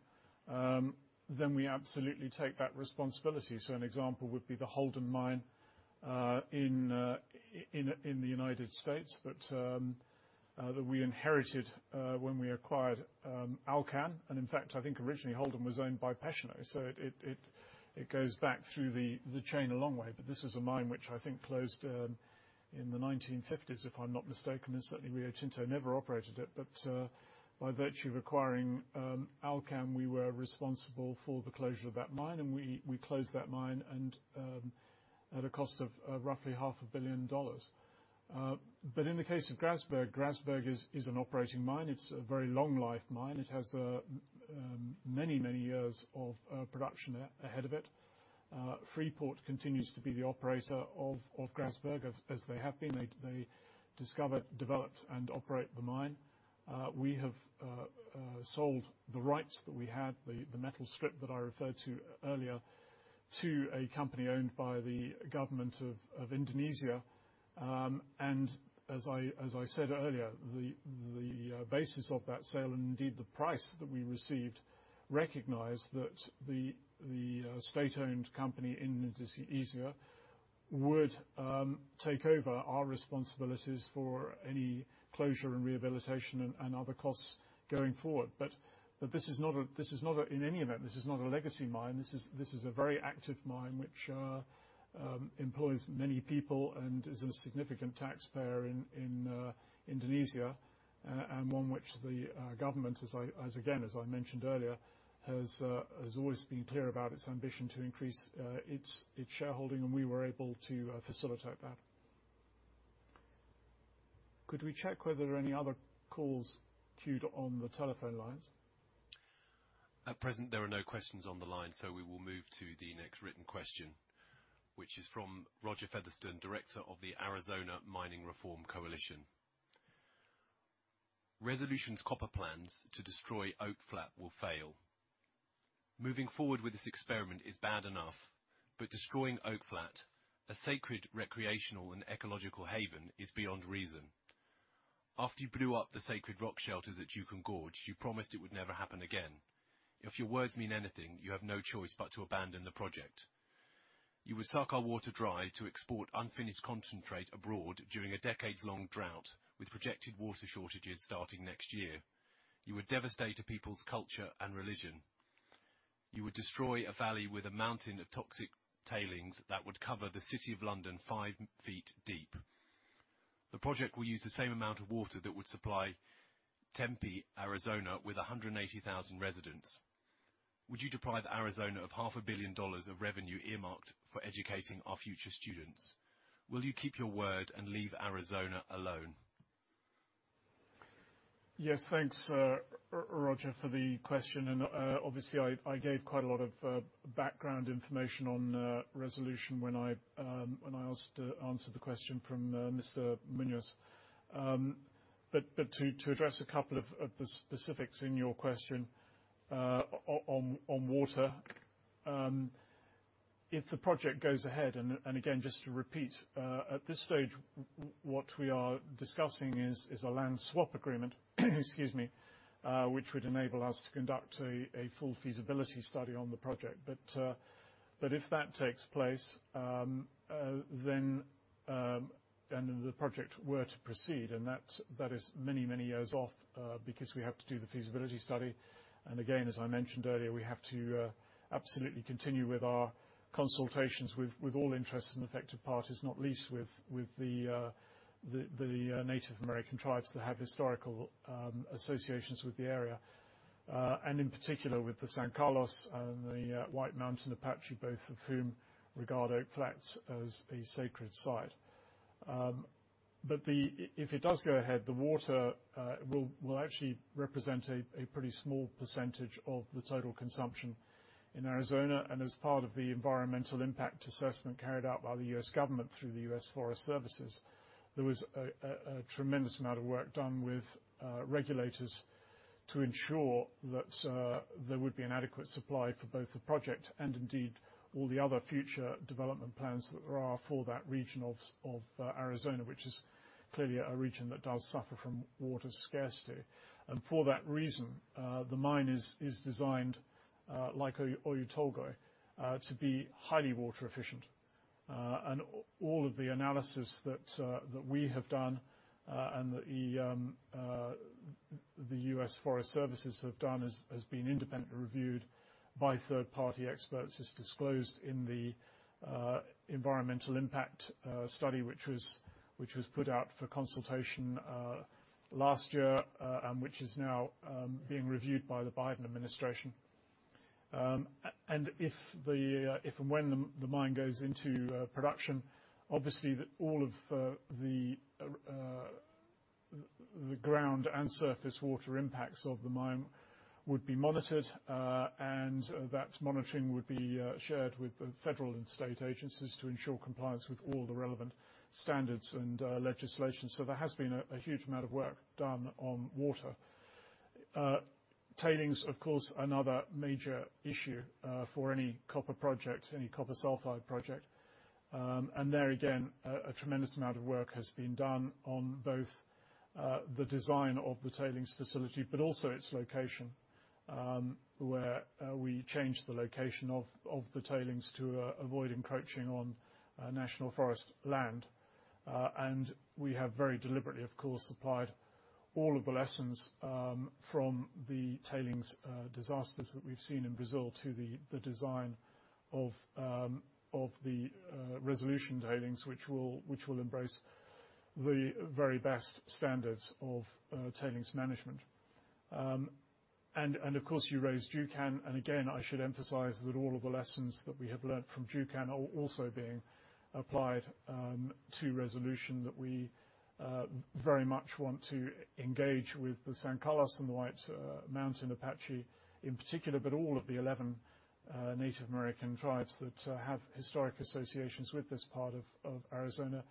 Speaker 1: then we absolutely take that responsibility. An example would be the Holden Mine in the U.S. that we inherited when we acquired Alcan. In fact, I think originally Holden was owned by Pechiney, so it goes back through the chain a long way. This is a mine which I think closed in the 1950s, if I'm not mistaken. Certainly Rio Tinto never operated it. By virtue of acquiring Alcan, we were responsible for the closure of that mine, and we closed that mine at a cost of roughly $500 million. In the case of Grasberg is an operating mine. It's a very long-life mine. It has many years of production ahead of it. Freeport continues to be the operator of Grasberg as they have been. They discover, develop and operate the mine. We have sold the rights that we had, the metal strip that I referred to earlier, to a company owned by the government of Indonesia. As I said earlier, the basis of that sale, and indeed the price that we received, recognized that the state-owned company in Indonesia would take over our responsibilities for any closure and rehabilitation, and other costs going forward. In any event, this is not a legacy mine. This is a very active mine, which employs many people and is a significant taxpayer in Indonesia, and one which the government, again, as I mentioned earlier, has always been clear about its ambition to increase its shareholding, and we were able to facilitate that. Could we check whether there are any other calls queued on the telephone lines?
Speaker 5: At present, there are no questions on the line, so we will move to the next written question, which is from Roger Featherstone, Director of the Arizona Mining Reform Coalition. Resolution Copper's plans to destroy Oak Flat will fail. Moving forward with this experiment is bad enough, but destroying Oak Flat, a sacred recreational and ecological haven, is beyond reason. After you blew up the sacred rock shelters at Juukan Gorge, you promised it would never happen again. If your words mean anything, you have no choice but to abandon the project. You would suck our water dry to export unfinished concentrate abroad during a decades-long drought, with projected water shortages starting next year. You would devastate a people's culture and religion. You would destroy a valley with a mountain of toxic tailings that would cover the City of London 5 ft deep. The project will use the same amount of water that would supply Tempe, Arizona, with 180,000 residents. Would you deprive Arizona of $500 million of revenue earmarked for educating our future students? Will you keep your word and leave Arizona alone?
Speaker 1: Yes. Thanks, Roger, for the question. Obviously I gave quite a lot of background information on Resolution when I answered the question from Mr. Muñoz. To address a couple of the specifics in your question on water. If the project goes ahead and again, just to repeat, at this stage, what we are discussing is a land swap agreement excuse me, which would enable us to conduct a full feasibility study on the project. If that takes place, the project were to proceed and that is many, many years off because we have to do the feasibility study. Again, as I mentioned earlier, we have to absolutely continue with our consultations with all interests and affected parties, not least with the Native American tribes that have historical associations with the area. In particular with the San Carlos and the White Mountain Apache, both of whom regard Oak Flat as a sacred site. If it does go ahead, the water will actually represent a pretty small percentage of the total consumption in Arizona. As part of the Environmental Impact Assessment carried out by the U.S. government through the U.S. Forest Services, there was a tremendous amount of work done with regulators to ensure that there would be an adequate supply for both the project and indeed all the other future development plans that there are for that region of Arizona, which is clearly a region that does suffer from water scarcity. For that reason, the mine is designed, like Oyu Tolgoi, to be highly water efficient. All of the analysis that we have done and that the U.S. Forest Services have done has been independently reviewed by third-party experts, as disclosed in the environmental impact study, which was put out for consultation last year and which is now being reviewed by the Biden administration. If and when the mine goes into production, obviously all of the ground and surface water impacts of the mine would be monitored. That monitoring would be shared with the federal and state agencies to ensure compliance with all the relevant standards and legislation. There has been a huge amount of work done on water. Tailings, of course, another major issue for any copper project, any copper sulfide project. There again, a tremendous amount of work has been done on both the design of the tailings facility, but also its location, where we changed the location of the tailings to avoid encroaching on national forest land. We have very deliberately, of course, applied all of the lessons from the tailings disasters that we've seen in Brazil to the design of the Resolution tailings, which will embrace the very best standards of tailings management. Of course, you raised Juukan, again, I should emphasize that all of the lessons that we have learned from Juukan are also being applied to Resolution, that we very much want to engage with the San Carlos and the White Mountain Apache in particular, but all of the 11 Native American tribes that have historic associations with this part of Arizona.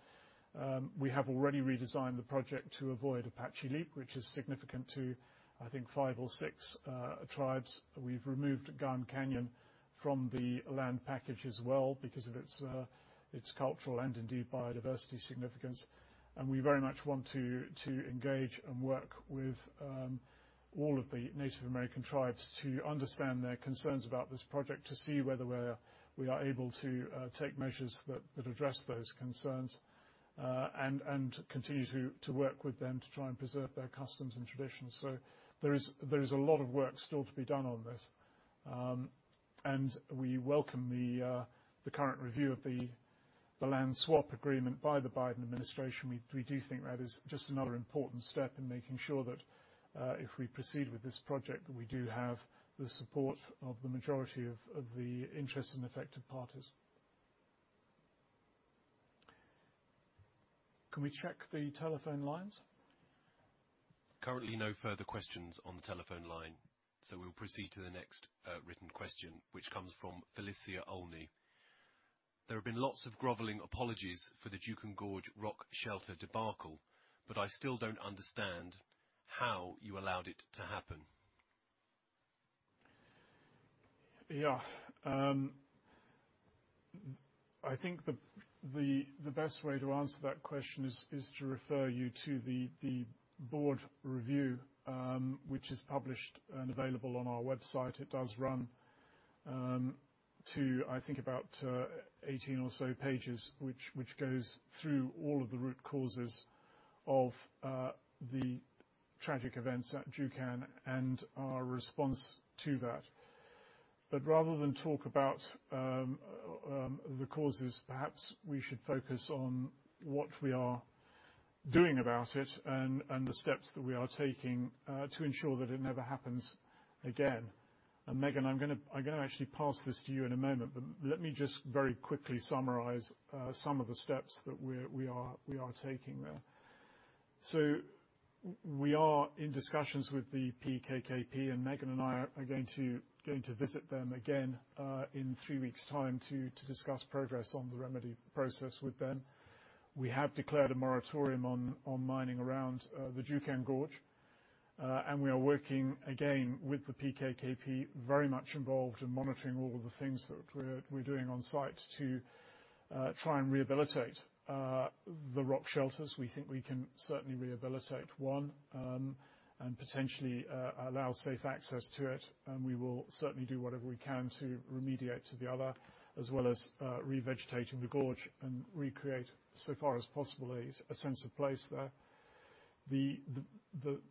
Speaker 1: We have already redesigned the project to avoid Apache Leap, which is significant to, I think, five or six tribes. We've removed Ga'an Canyon from the land package as well because of its cultural and indeed biodiversity significance. We very much want to engage and work with all of the Native American tribes to understand their concerns about this project, to see whether we are able to take measures that address those concerns, and continue to work with them to try and preserve their customs and traditions. There is a lot of work still to be done on this. We welcome the current review of the land swap agreement by the Biden administration. We do think that is just another important step in making sure that if we proceed with this project, that we do have the support of the majority of the interested and affected parties. Can we check the telephone lines?
Speaker 5: Currently no further questions on the telephone line. We'll proceed to the next written question, which comes from Felicia Olney. There have been lots of groveling apologies for the Juukan Gorge rock shelter debacle, but I still don't understand how you allowed it to happen.
Speaker 1: Yeah. I think the best way to answer that question is to refer you to the board review, which is published and available on our website. It does run to, I think, about 18 or so pages, which goes through all of the root causes of the tragic events at Juukan and our response to that. Rather than talk about the causes, perhaps we should focus on what we are doing about it and the steps that we are taking to ensure that it never happens again. Megan, I'm going to actually pass this to you in a moment, but let me just very quickly summarize some of the steps that we are taking there. We are in discussions with the PKKP, and Megan and I are going to visit them again in three weeks' time to discuss progress on the remedy process with them. We have declared a moratorium on mining around the Juukan Gorge. We are working again with the PKKP, very much involved in monitoring all of the things that we're doing on-site to try and rehabilitate the rock shelters. We think we can certainly rehabilitate one, and potentially allow safe access to it, and we will certainly do whatever we can to remediate to the other, as well as revegetating the gorge and recreate, so far as possible, a sense of place there.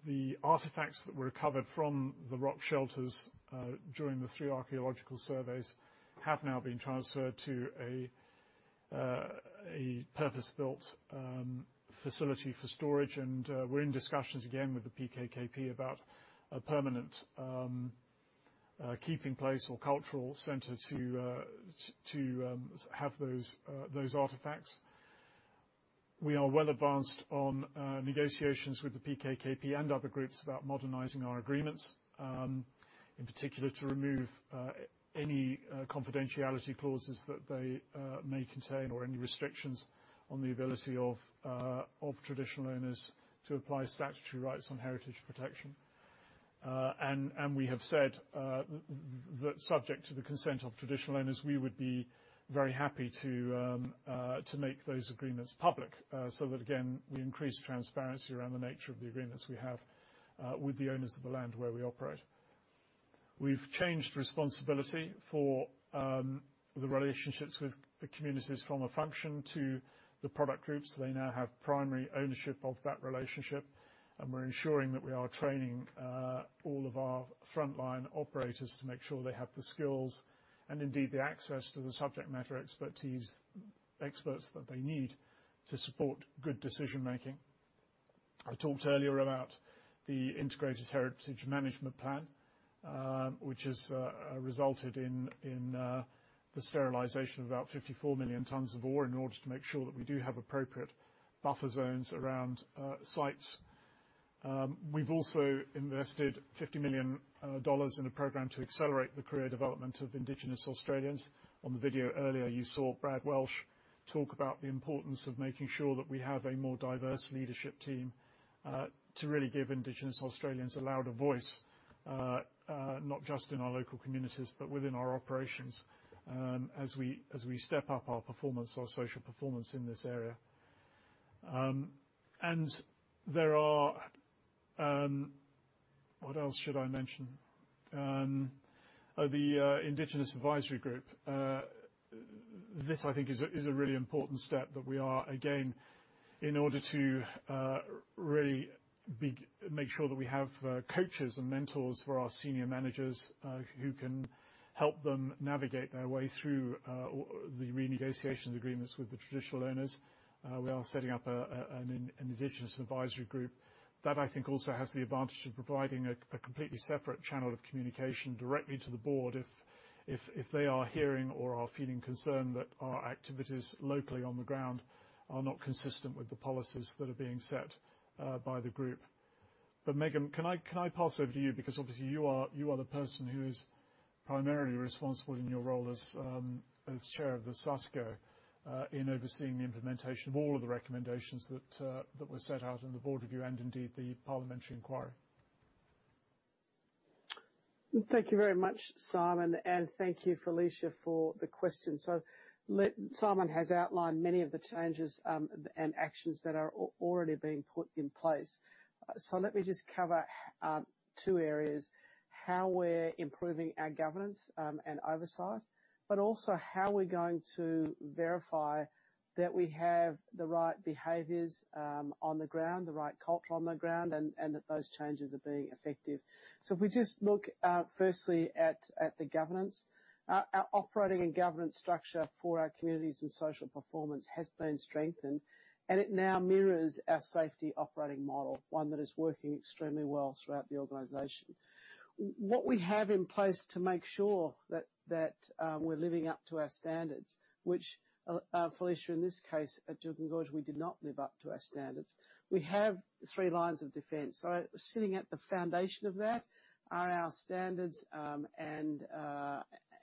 Speaker 1: The artifacts that were recovered from the rock shelters during the three archaeological surveys have now been transferred to a purpose-built facility for storage, and we're in discussions again with the PKKP about a permanent keeping place or cultural center to have those artifacts. We are well advanced on negotiations with the PKKP and other groups about modernizing our agreements. In particular, to remove any confidentiality clauses that they may contain or any restrictions on the ability of traditional owners to apply statutory rights on heritage protection. We have said that subject to the consent of traditional owners, we would be very happy to make those agreements public, so that again, we increase transparency around the nature of the agreements we have with the owners of the land where we operate. We've changed responsibility for the relationships with the communities from a function to the product groups. They now have primary ownership of that relationship, and we're ensuring that we are training all of our frontline operators to make sure they have the skills and indeed the access to the subject matter experts that they need to support good decision-making. I talked earlier about the Integrated Heritage Management Plan, which has resulted in the sterilization of about 54 million tons of ore in order to make sure that we do have appropriate buffer zones around sites. We've also invested $50 million in a program to accelerate the career development of Indigenous Australians. On the video earlier, you saw Brad Welsh talk about the importance of making sure that we have a more diverse leadership team to really give Indigenous Australians a louder voice. Not just in our local communities, but within our operations as we step up our social performance in this area. What else should I mention? The Indigenous Advisory Group. This, I think, is a really important step that we are, again, in order to really make sure that we have coaches and mentors for our senior managers who can help them navigate their way through the renegotiation agreements with the traditional owners. We are setting up an Indigenous Advisory Group. That, I think, also has the advantage of providing a completely separate channel of communication directly to the board if they are hearing or are feeling concerned that our activities locally on the ground are not consistent with the policies that are being set by the group. Megan, can I pass over to you? Because obviously, you are the person who is primarily responsible in your role as chair of the SASCO in overseeing the implementation of all of the recommendations that were set out on the board review and indeed, the parliamentary inquiry.
Speaker 8: Thank you very much, Simon, and thank you, Felicia, for the question. Simon has outlined many of the changes and actions that are already being put in place. Let me just cover two areas, how we're improving our governance and oversight, but also how we're going to verify that we have the right behaviors on the ground, the right culture on the ground, and that those changes are being effective. If we just look firstly at the governance. Our operating and governance structure for our communities and social performance has been strengthened, and it now mirrors our safety operating model, one that is working extremely well throughout the organization. What we have in place to make sure that we're living up to our standards, which, Felicia, in this case, at Juukan Gorge, we did not live up to our standards. We have three lines of defense. Sitting at the foundation of that are our standards and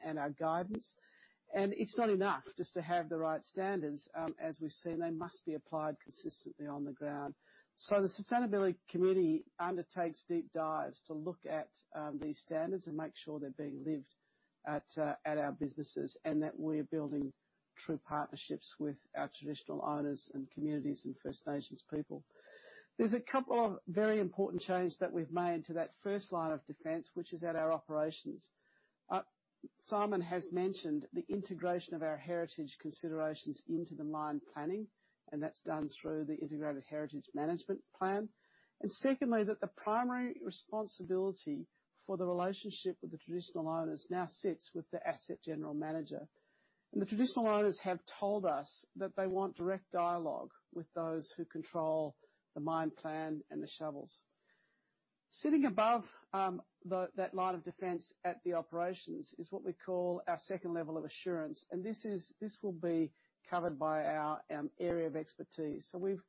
Speaker 8: our guidance. It's not enough just to have the right standards. As we've seen, they must be applied consistently on the ground. The Sustainability Committee undertakes deep dives to look at these standards and make sure they're being lived at our businesses and that we're building true partnerships with our traditional owners and communities and First Nations people. There's a couple of very important changes that we've made to that first line of defense, which is at our operations. Simon has mentioned the integration of our heritage considerations into the mine planning, and that's done through the Integrated Heritage Management Plan. Secondly, that the primary responsibility for the relationship with the traditional owners now sits with the asset general manager. The traditional owners have told us that they want direct dialogue with those who control the mine plan and the shovels. Sitting above that line of defense at the operations is what we call our second level of assurance, and this will be covered by our area of expertise. We've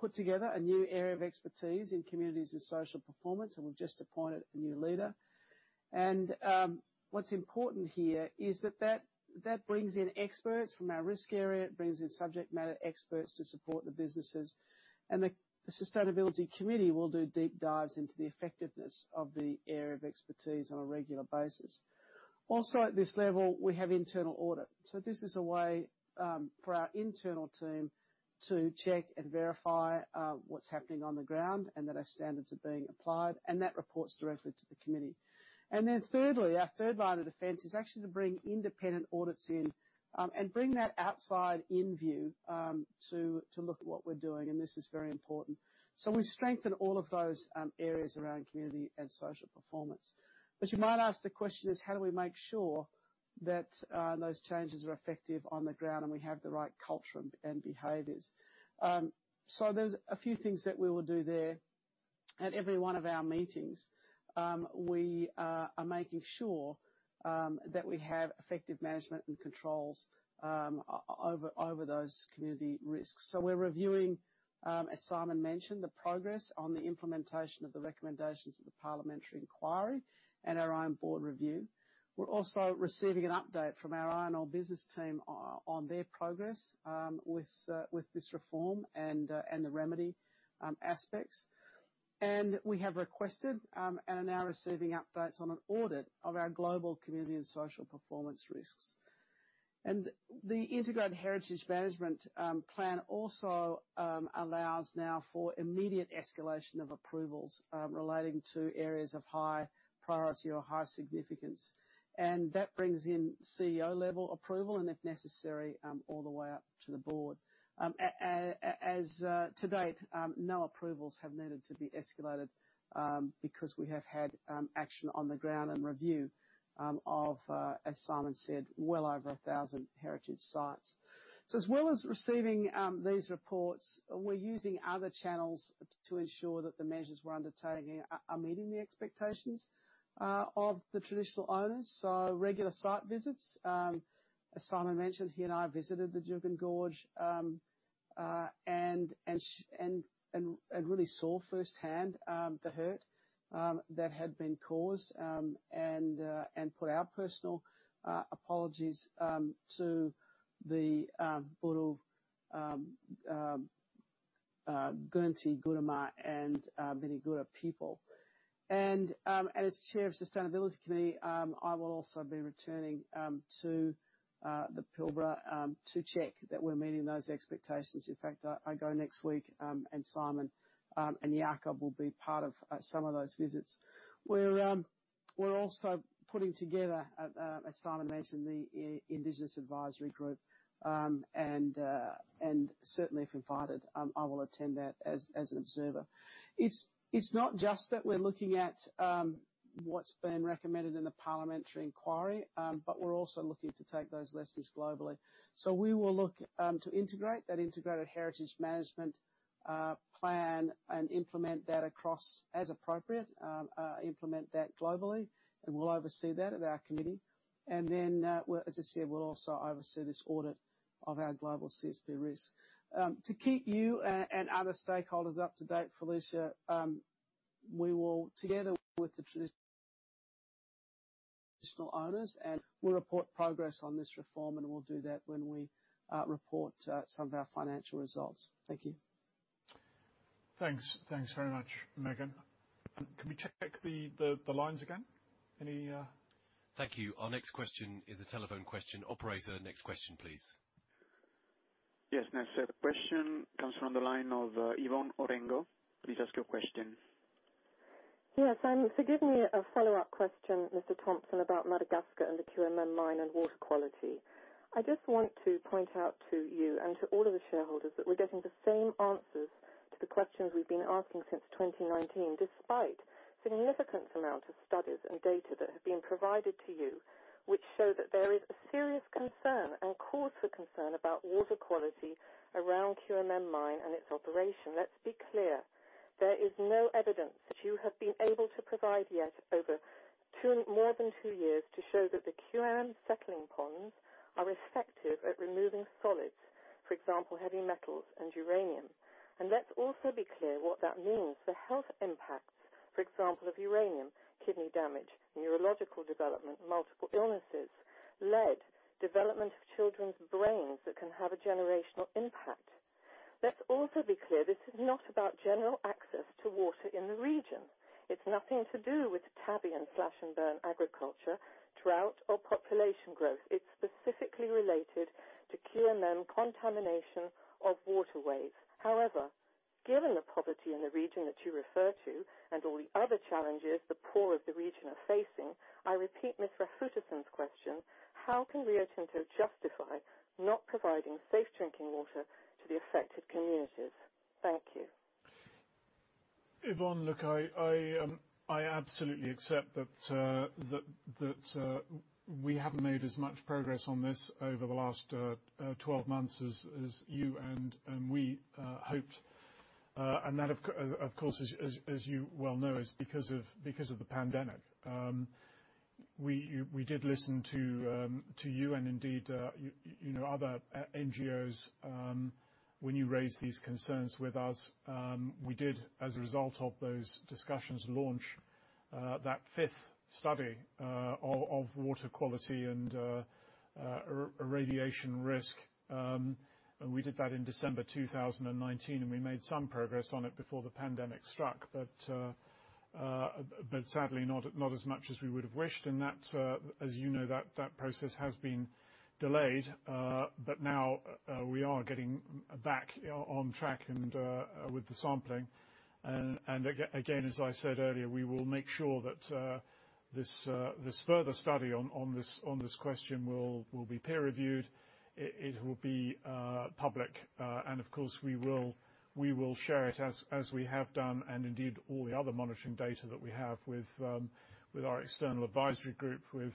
Speaker 8: put together a new area of expertise in communities and social performance, and we've just appointed a new leader. What's important here is that that brings in experts from our risk area. It brings in subject matter experts to support the businesses. The Sustainability Committee will do deep dives into the effectiveness of the area of expertise on a regular basis. At this level, we have internal audit. This is a way for our internal team to check and verify what's happening on the ground and that our standards are being applied, and that reports directly to the committee. Thirdly, our third line of defense is actually to bring independent audits in and bring that outside in view to look at what we're doing, and this is very important. We've strengthened all of those areas around community and social performance. You might ask the question is, how do we make sure that those changes are effective on the ground and we have the right culture and behaviors? There's a few things that we will do there. At every one of our meetings, we are making sure that we have effective management and controls over those community risks. We're reviewing, as Simon mentioned, the progress on the implementation of the recommendations of the parliamentary inquiry and our own board review. We're also receiving an update from our iron ore business team on their progress with this reform and the remedy aspects. We have requested and are now receiving updates on an audit of our global community and social performance risks. The Integrated Heritage Management Plan also allows now for immediate escalation of approvals relating to areas of high priority or high significance. That brings in CEO-level approval and if necessary, all the way up to the board. To date, no approvals have needed to be escalated because we have had action on the ground and review of, as Simon said, well over 1,000 heritage sites. As well as receiving these reports, we're using other channels to ensure that the measures we're undertaking are meeting the expectations of the Traditional Owners. Regular site visits. As Simon mentioned, he and I visited the Juukan Gorge and really saw firsthand the hurt that had been caused and put our personal apologies to the Gooniyandi, Gunditjmara, and Pinikura people. As Chair of the Sustainability Committee, I will also be returning to the Pilbara to check that we're meeting those expectations. In fact, I go next week, and Simon and Jakob will be part of some of those visits. We're also putting together, as Simon mentioned, the Indigenous Advisory Group. Certainly, if invited, I will attend that as an observer. It's not just that we're looking at what's been recommended in the parliamentary inquiry, but we're also looking to take those lessons globally. We will look to integrate that Integrated Heritage Management Plan and implement that across as appropriate, implement that globally, and we'll oversee that at our committee. As I said, we'll also oversee this audit of our global CSP risk. Keep you and other stakeholders up to date, Felicia, we will together with the traditional owners, and we'll report progress on this reform, and we'll do that when we report some of our financial results. Thank you.
Speaker 1: Thanks very much, Megan. Can we check the lines again?
Speaker 5: Thank you. Our next question is a telephone question. Operator, next question, please.
Speaker 6: Yes. Next question comes from the line of Yvonne Orengo. Please ask your question.
Speaker 9: Yes. Forgive me a follow-up question, Mr. Thompson, about Madagascar and the QMM mine and water quality. I just want to point out to you and to all of the shareholders that we're getting the same answers to the questions we've been asking since 2019, despite significant amount of studies and data that have been provided to you, which show that there is a serious concern and cause for concern about water quality around QMM mine and its operation. Let's be clear. There is no evidence that you have been able to provide yet over more than two years to show that the QMM settling ponds are effective at removing solids. For example, heavy metals and uranium. Let's also be clear what that means. The health impacts, for example, of uranium, kidney damage, neurological development, multiple illnesses, lead, development of children's brains that can have a generational impact. Let's also be clear, this is not about general access to water in the region. It's nothing to do with tavy and slash and burn agriculture, drought, or population growth. It's specifically related to QMM contamination of waterways. However, given the poverty in the region that you refer to and all the other challenges the poor of the region are facing, I repeat Ms. Rafitoson's question: how can Rio Tinto justify not providing safe drinking water to the affected communities? Thank you.
Speaker 1: Yvonne, look, I absolutely accept that we haven't made as much progress on this over the last 12 months as you and we hoped. That, of course, as you well know, is because of the pandemic. We did listen to you and indeed other NGOs when you raised these concerns with us. We did, as a result of those discussions, launch that fifth study of water quality and radiation risk. We did that in December 2019, and we made some progress on it before the pandemic struck. Sadly, not as much as we would have wished. As you know, that process has been delayed. Now we are getting back on track with the sampling. Again, as I said earlier, we will make sure that this further study on this question will be peer-reviewed. It will be public. Of course, we will share it as we have done, and indeed all the other monitoring data that we have with our external advisory group, with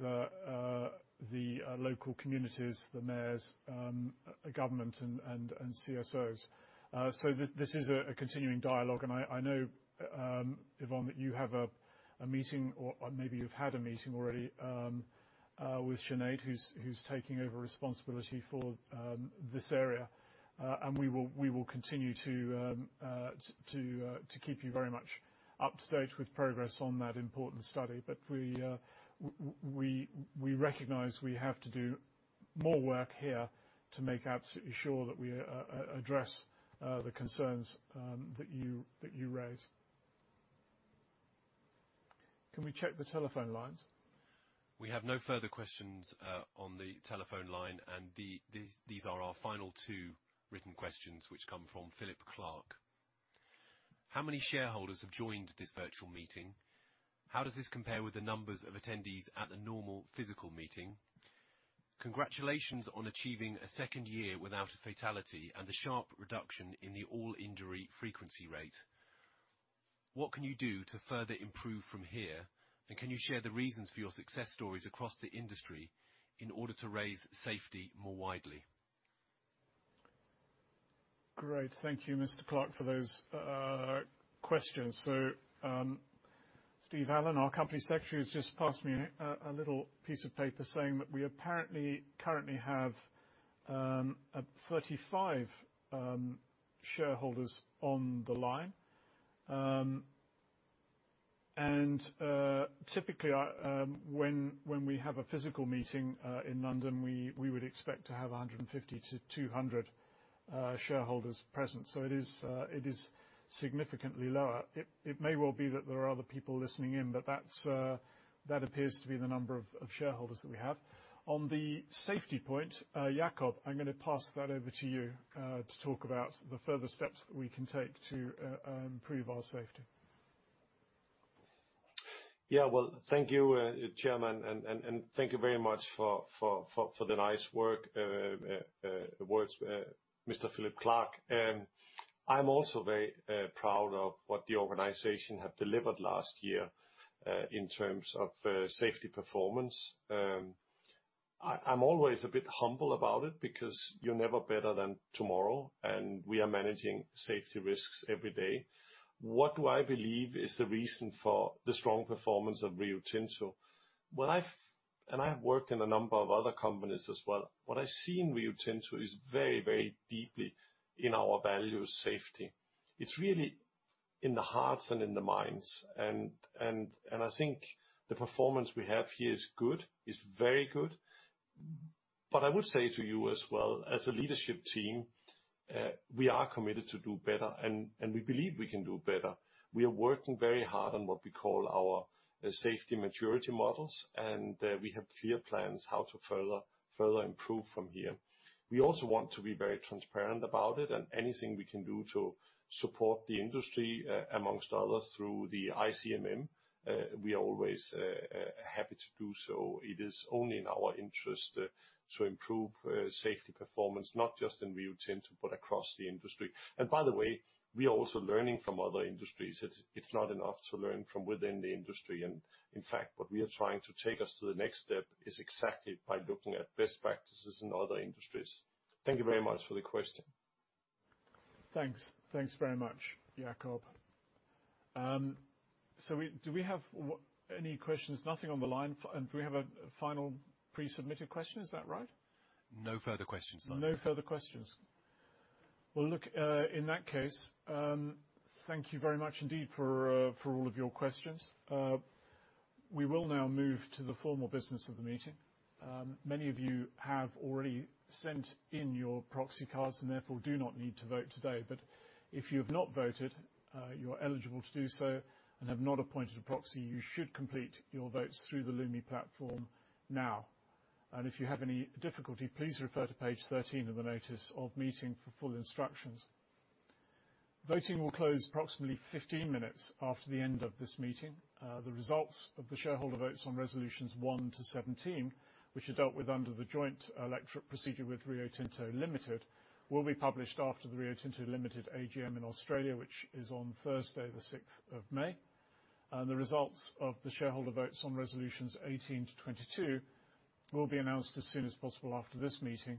Speaker 1: the local communities, the mayors, government, and CSOs. This is a continuing dialogue, and I know, Yvonne, that you have a meeting, or maybe you've had a meeting already with Sinead, who's taking over responsibility for this area. We will continue to keep you very much up to date with progress on that important study. We recognize we have to do more work here to make absolutely sure that we address the concerns that you raise. Can we check the telephone lines?
Speaker 5: We have no further questions on the telephone line. These are our final two written questions, which come from Philip Clark. How many shareholders have joined this virtual meeting? How does this compare with the numbers of attendees at the normal physical meeting? Congratulations on achieving a second year without a fatality and a sharp reduction in the all-injury frequency rate. What can you do to further improve from here? Can you share the reasons for your success stories across the industry in order to raise safety more widely?
Speaker 1: Great. Thank you, Mr. Clark, for those questions. Steve Allen, our Company Secretary, has just passed me a little piece of paper saying that we apparently currently have 35 shareholders on the line. Typically, when we have a physical meeting, in London, we would expect to have 150-200 shareholders present. It is significantly lower. It may well be that there are other people listening in, that appears to be the number of shareholders that we have. On the safety point, Jakob, I'm going to pass that over to you, to talk about the further steps that we can take to improve our safety.
Speaker 3: Thank you, Chairman, and thank you very much for the nice words, Mr. Philip Clark. I'm also very proud of what the organization have delivered last year, in terms of safety performance. I'm always a bit humble about it because you're never better than tomorrow, and we are managing safety risks every day. What do I believe is the reason for the strong performance of Rio Tinto? I've worked in a number of other companies as well. What I see in Rio Tinto is very, very deeply in our values, safety. It's really in the hearts and in the minds. I think the performance we have here is good, is very good. I would say to you as well, as a leadership team, we are committed to do better, and we believe we can do better. We are working very hard on what we call our safety maturity models, and we have clear plans how to further improve from here. We also want to be very transparent about it, and anything we can do to support the industry, amongst others, through the ICMM, we are always happy to do so. It is only in our interest to improve safety performance, not just in Rio Tinto, but across the industry. By the way, we are also learning from other industries. It's not enough to learn from within the industry. In fact, what we are trying to take us to the next step is exactly by looking at best practices in other industries. Thank you very much for the question.
Speaker 1: Thanks. Thanks very much, Jakob. Do we have any questions? Nothing on the line. We have a final pre-submitted question, is that right?
Speaker 5: No further questions.
Speaker 1: No further questions. Well, look, in that case, thank you very much indeed for all of your questions. We will now move to the formal business of the meeting. Many of you have already sent in your proxy cards and therefore do not need to vote today. If you have not voted, you are eligible to do so and have not appointed a proxy, you should complete your votes through the Lumi platform now. If you have any difficulty, please refer to page 13 of the notice of meeting for full instructions. Voting will close approximately 15 minutes after the end of this meeting. The results of the shareholder votes on resolutions one to 17, which are dealt with under the joint electorate procedure with Rio Tinto Limited, will be published after the Rio Tinto Limited AGM in Australia, which is on Thursday, the 6th of May. The results of the shareholder votes on resolutions 18-22 will be announced as soon as possible after this meeting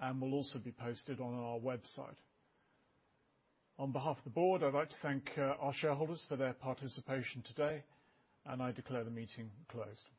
Speaker 1: and will also be posted on our website. On behalf of the Board, I'd like to thank our shareholders for their participation today, and I declare the meeting closed.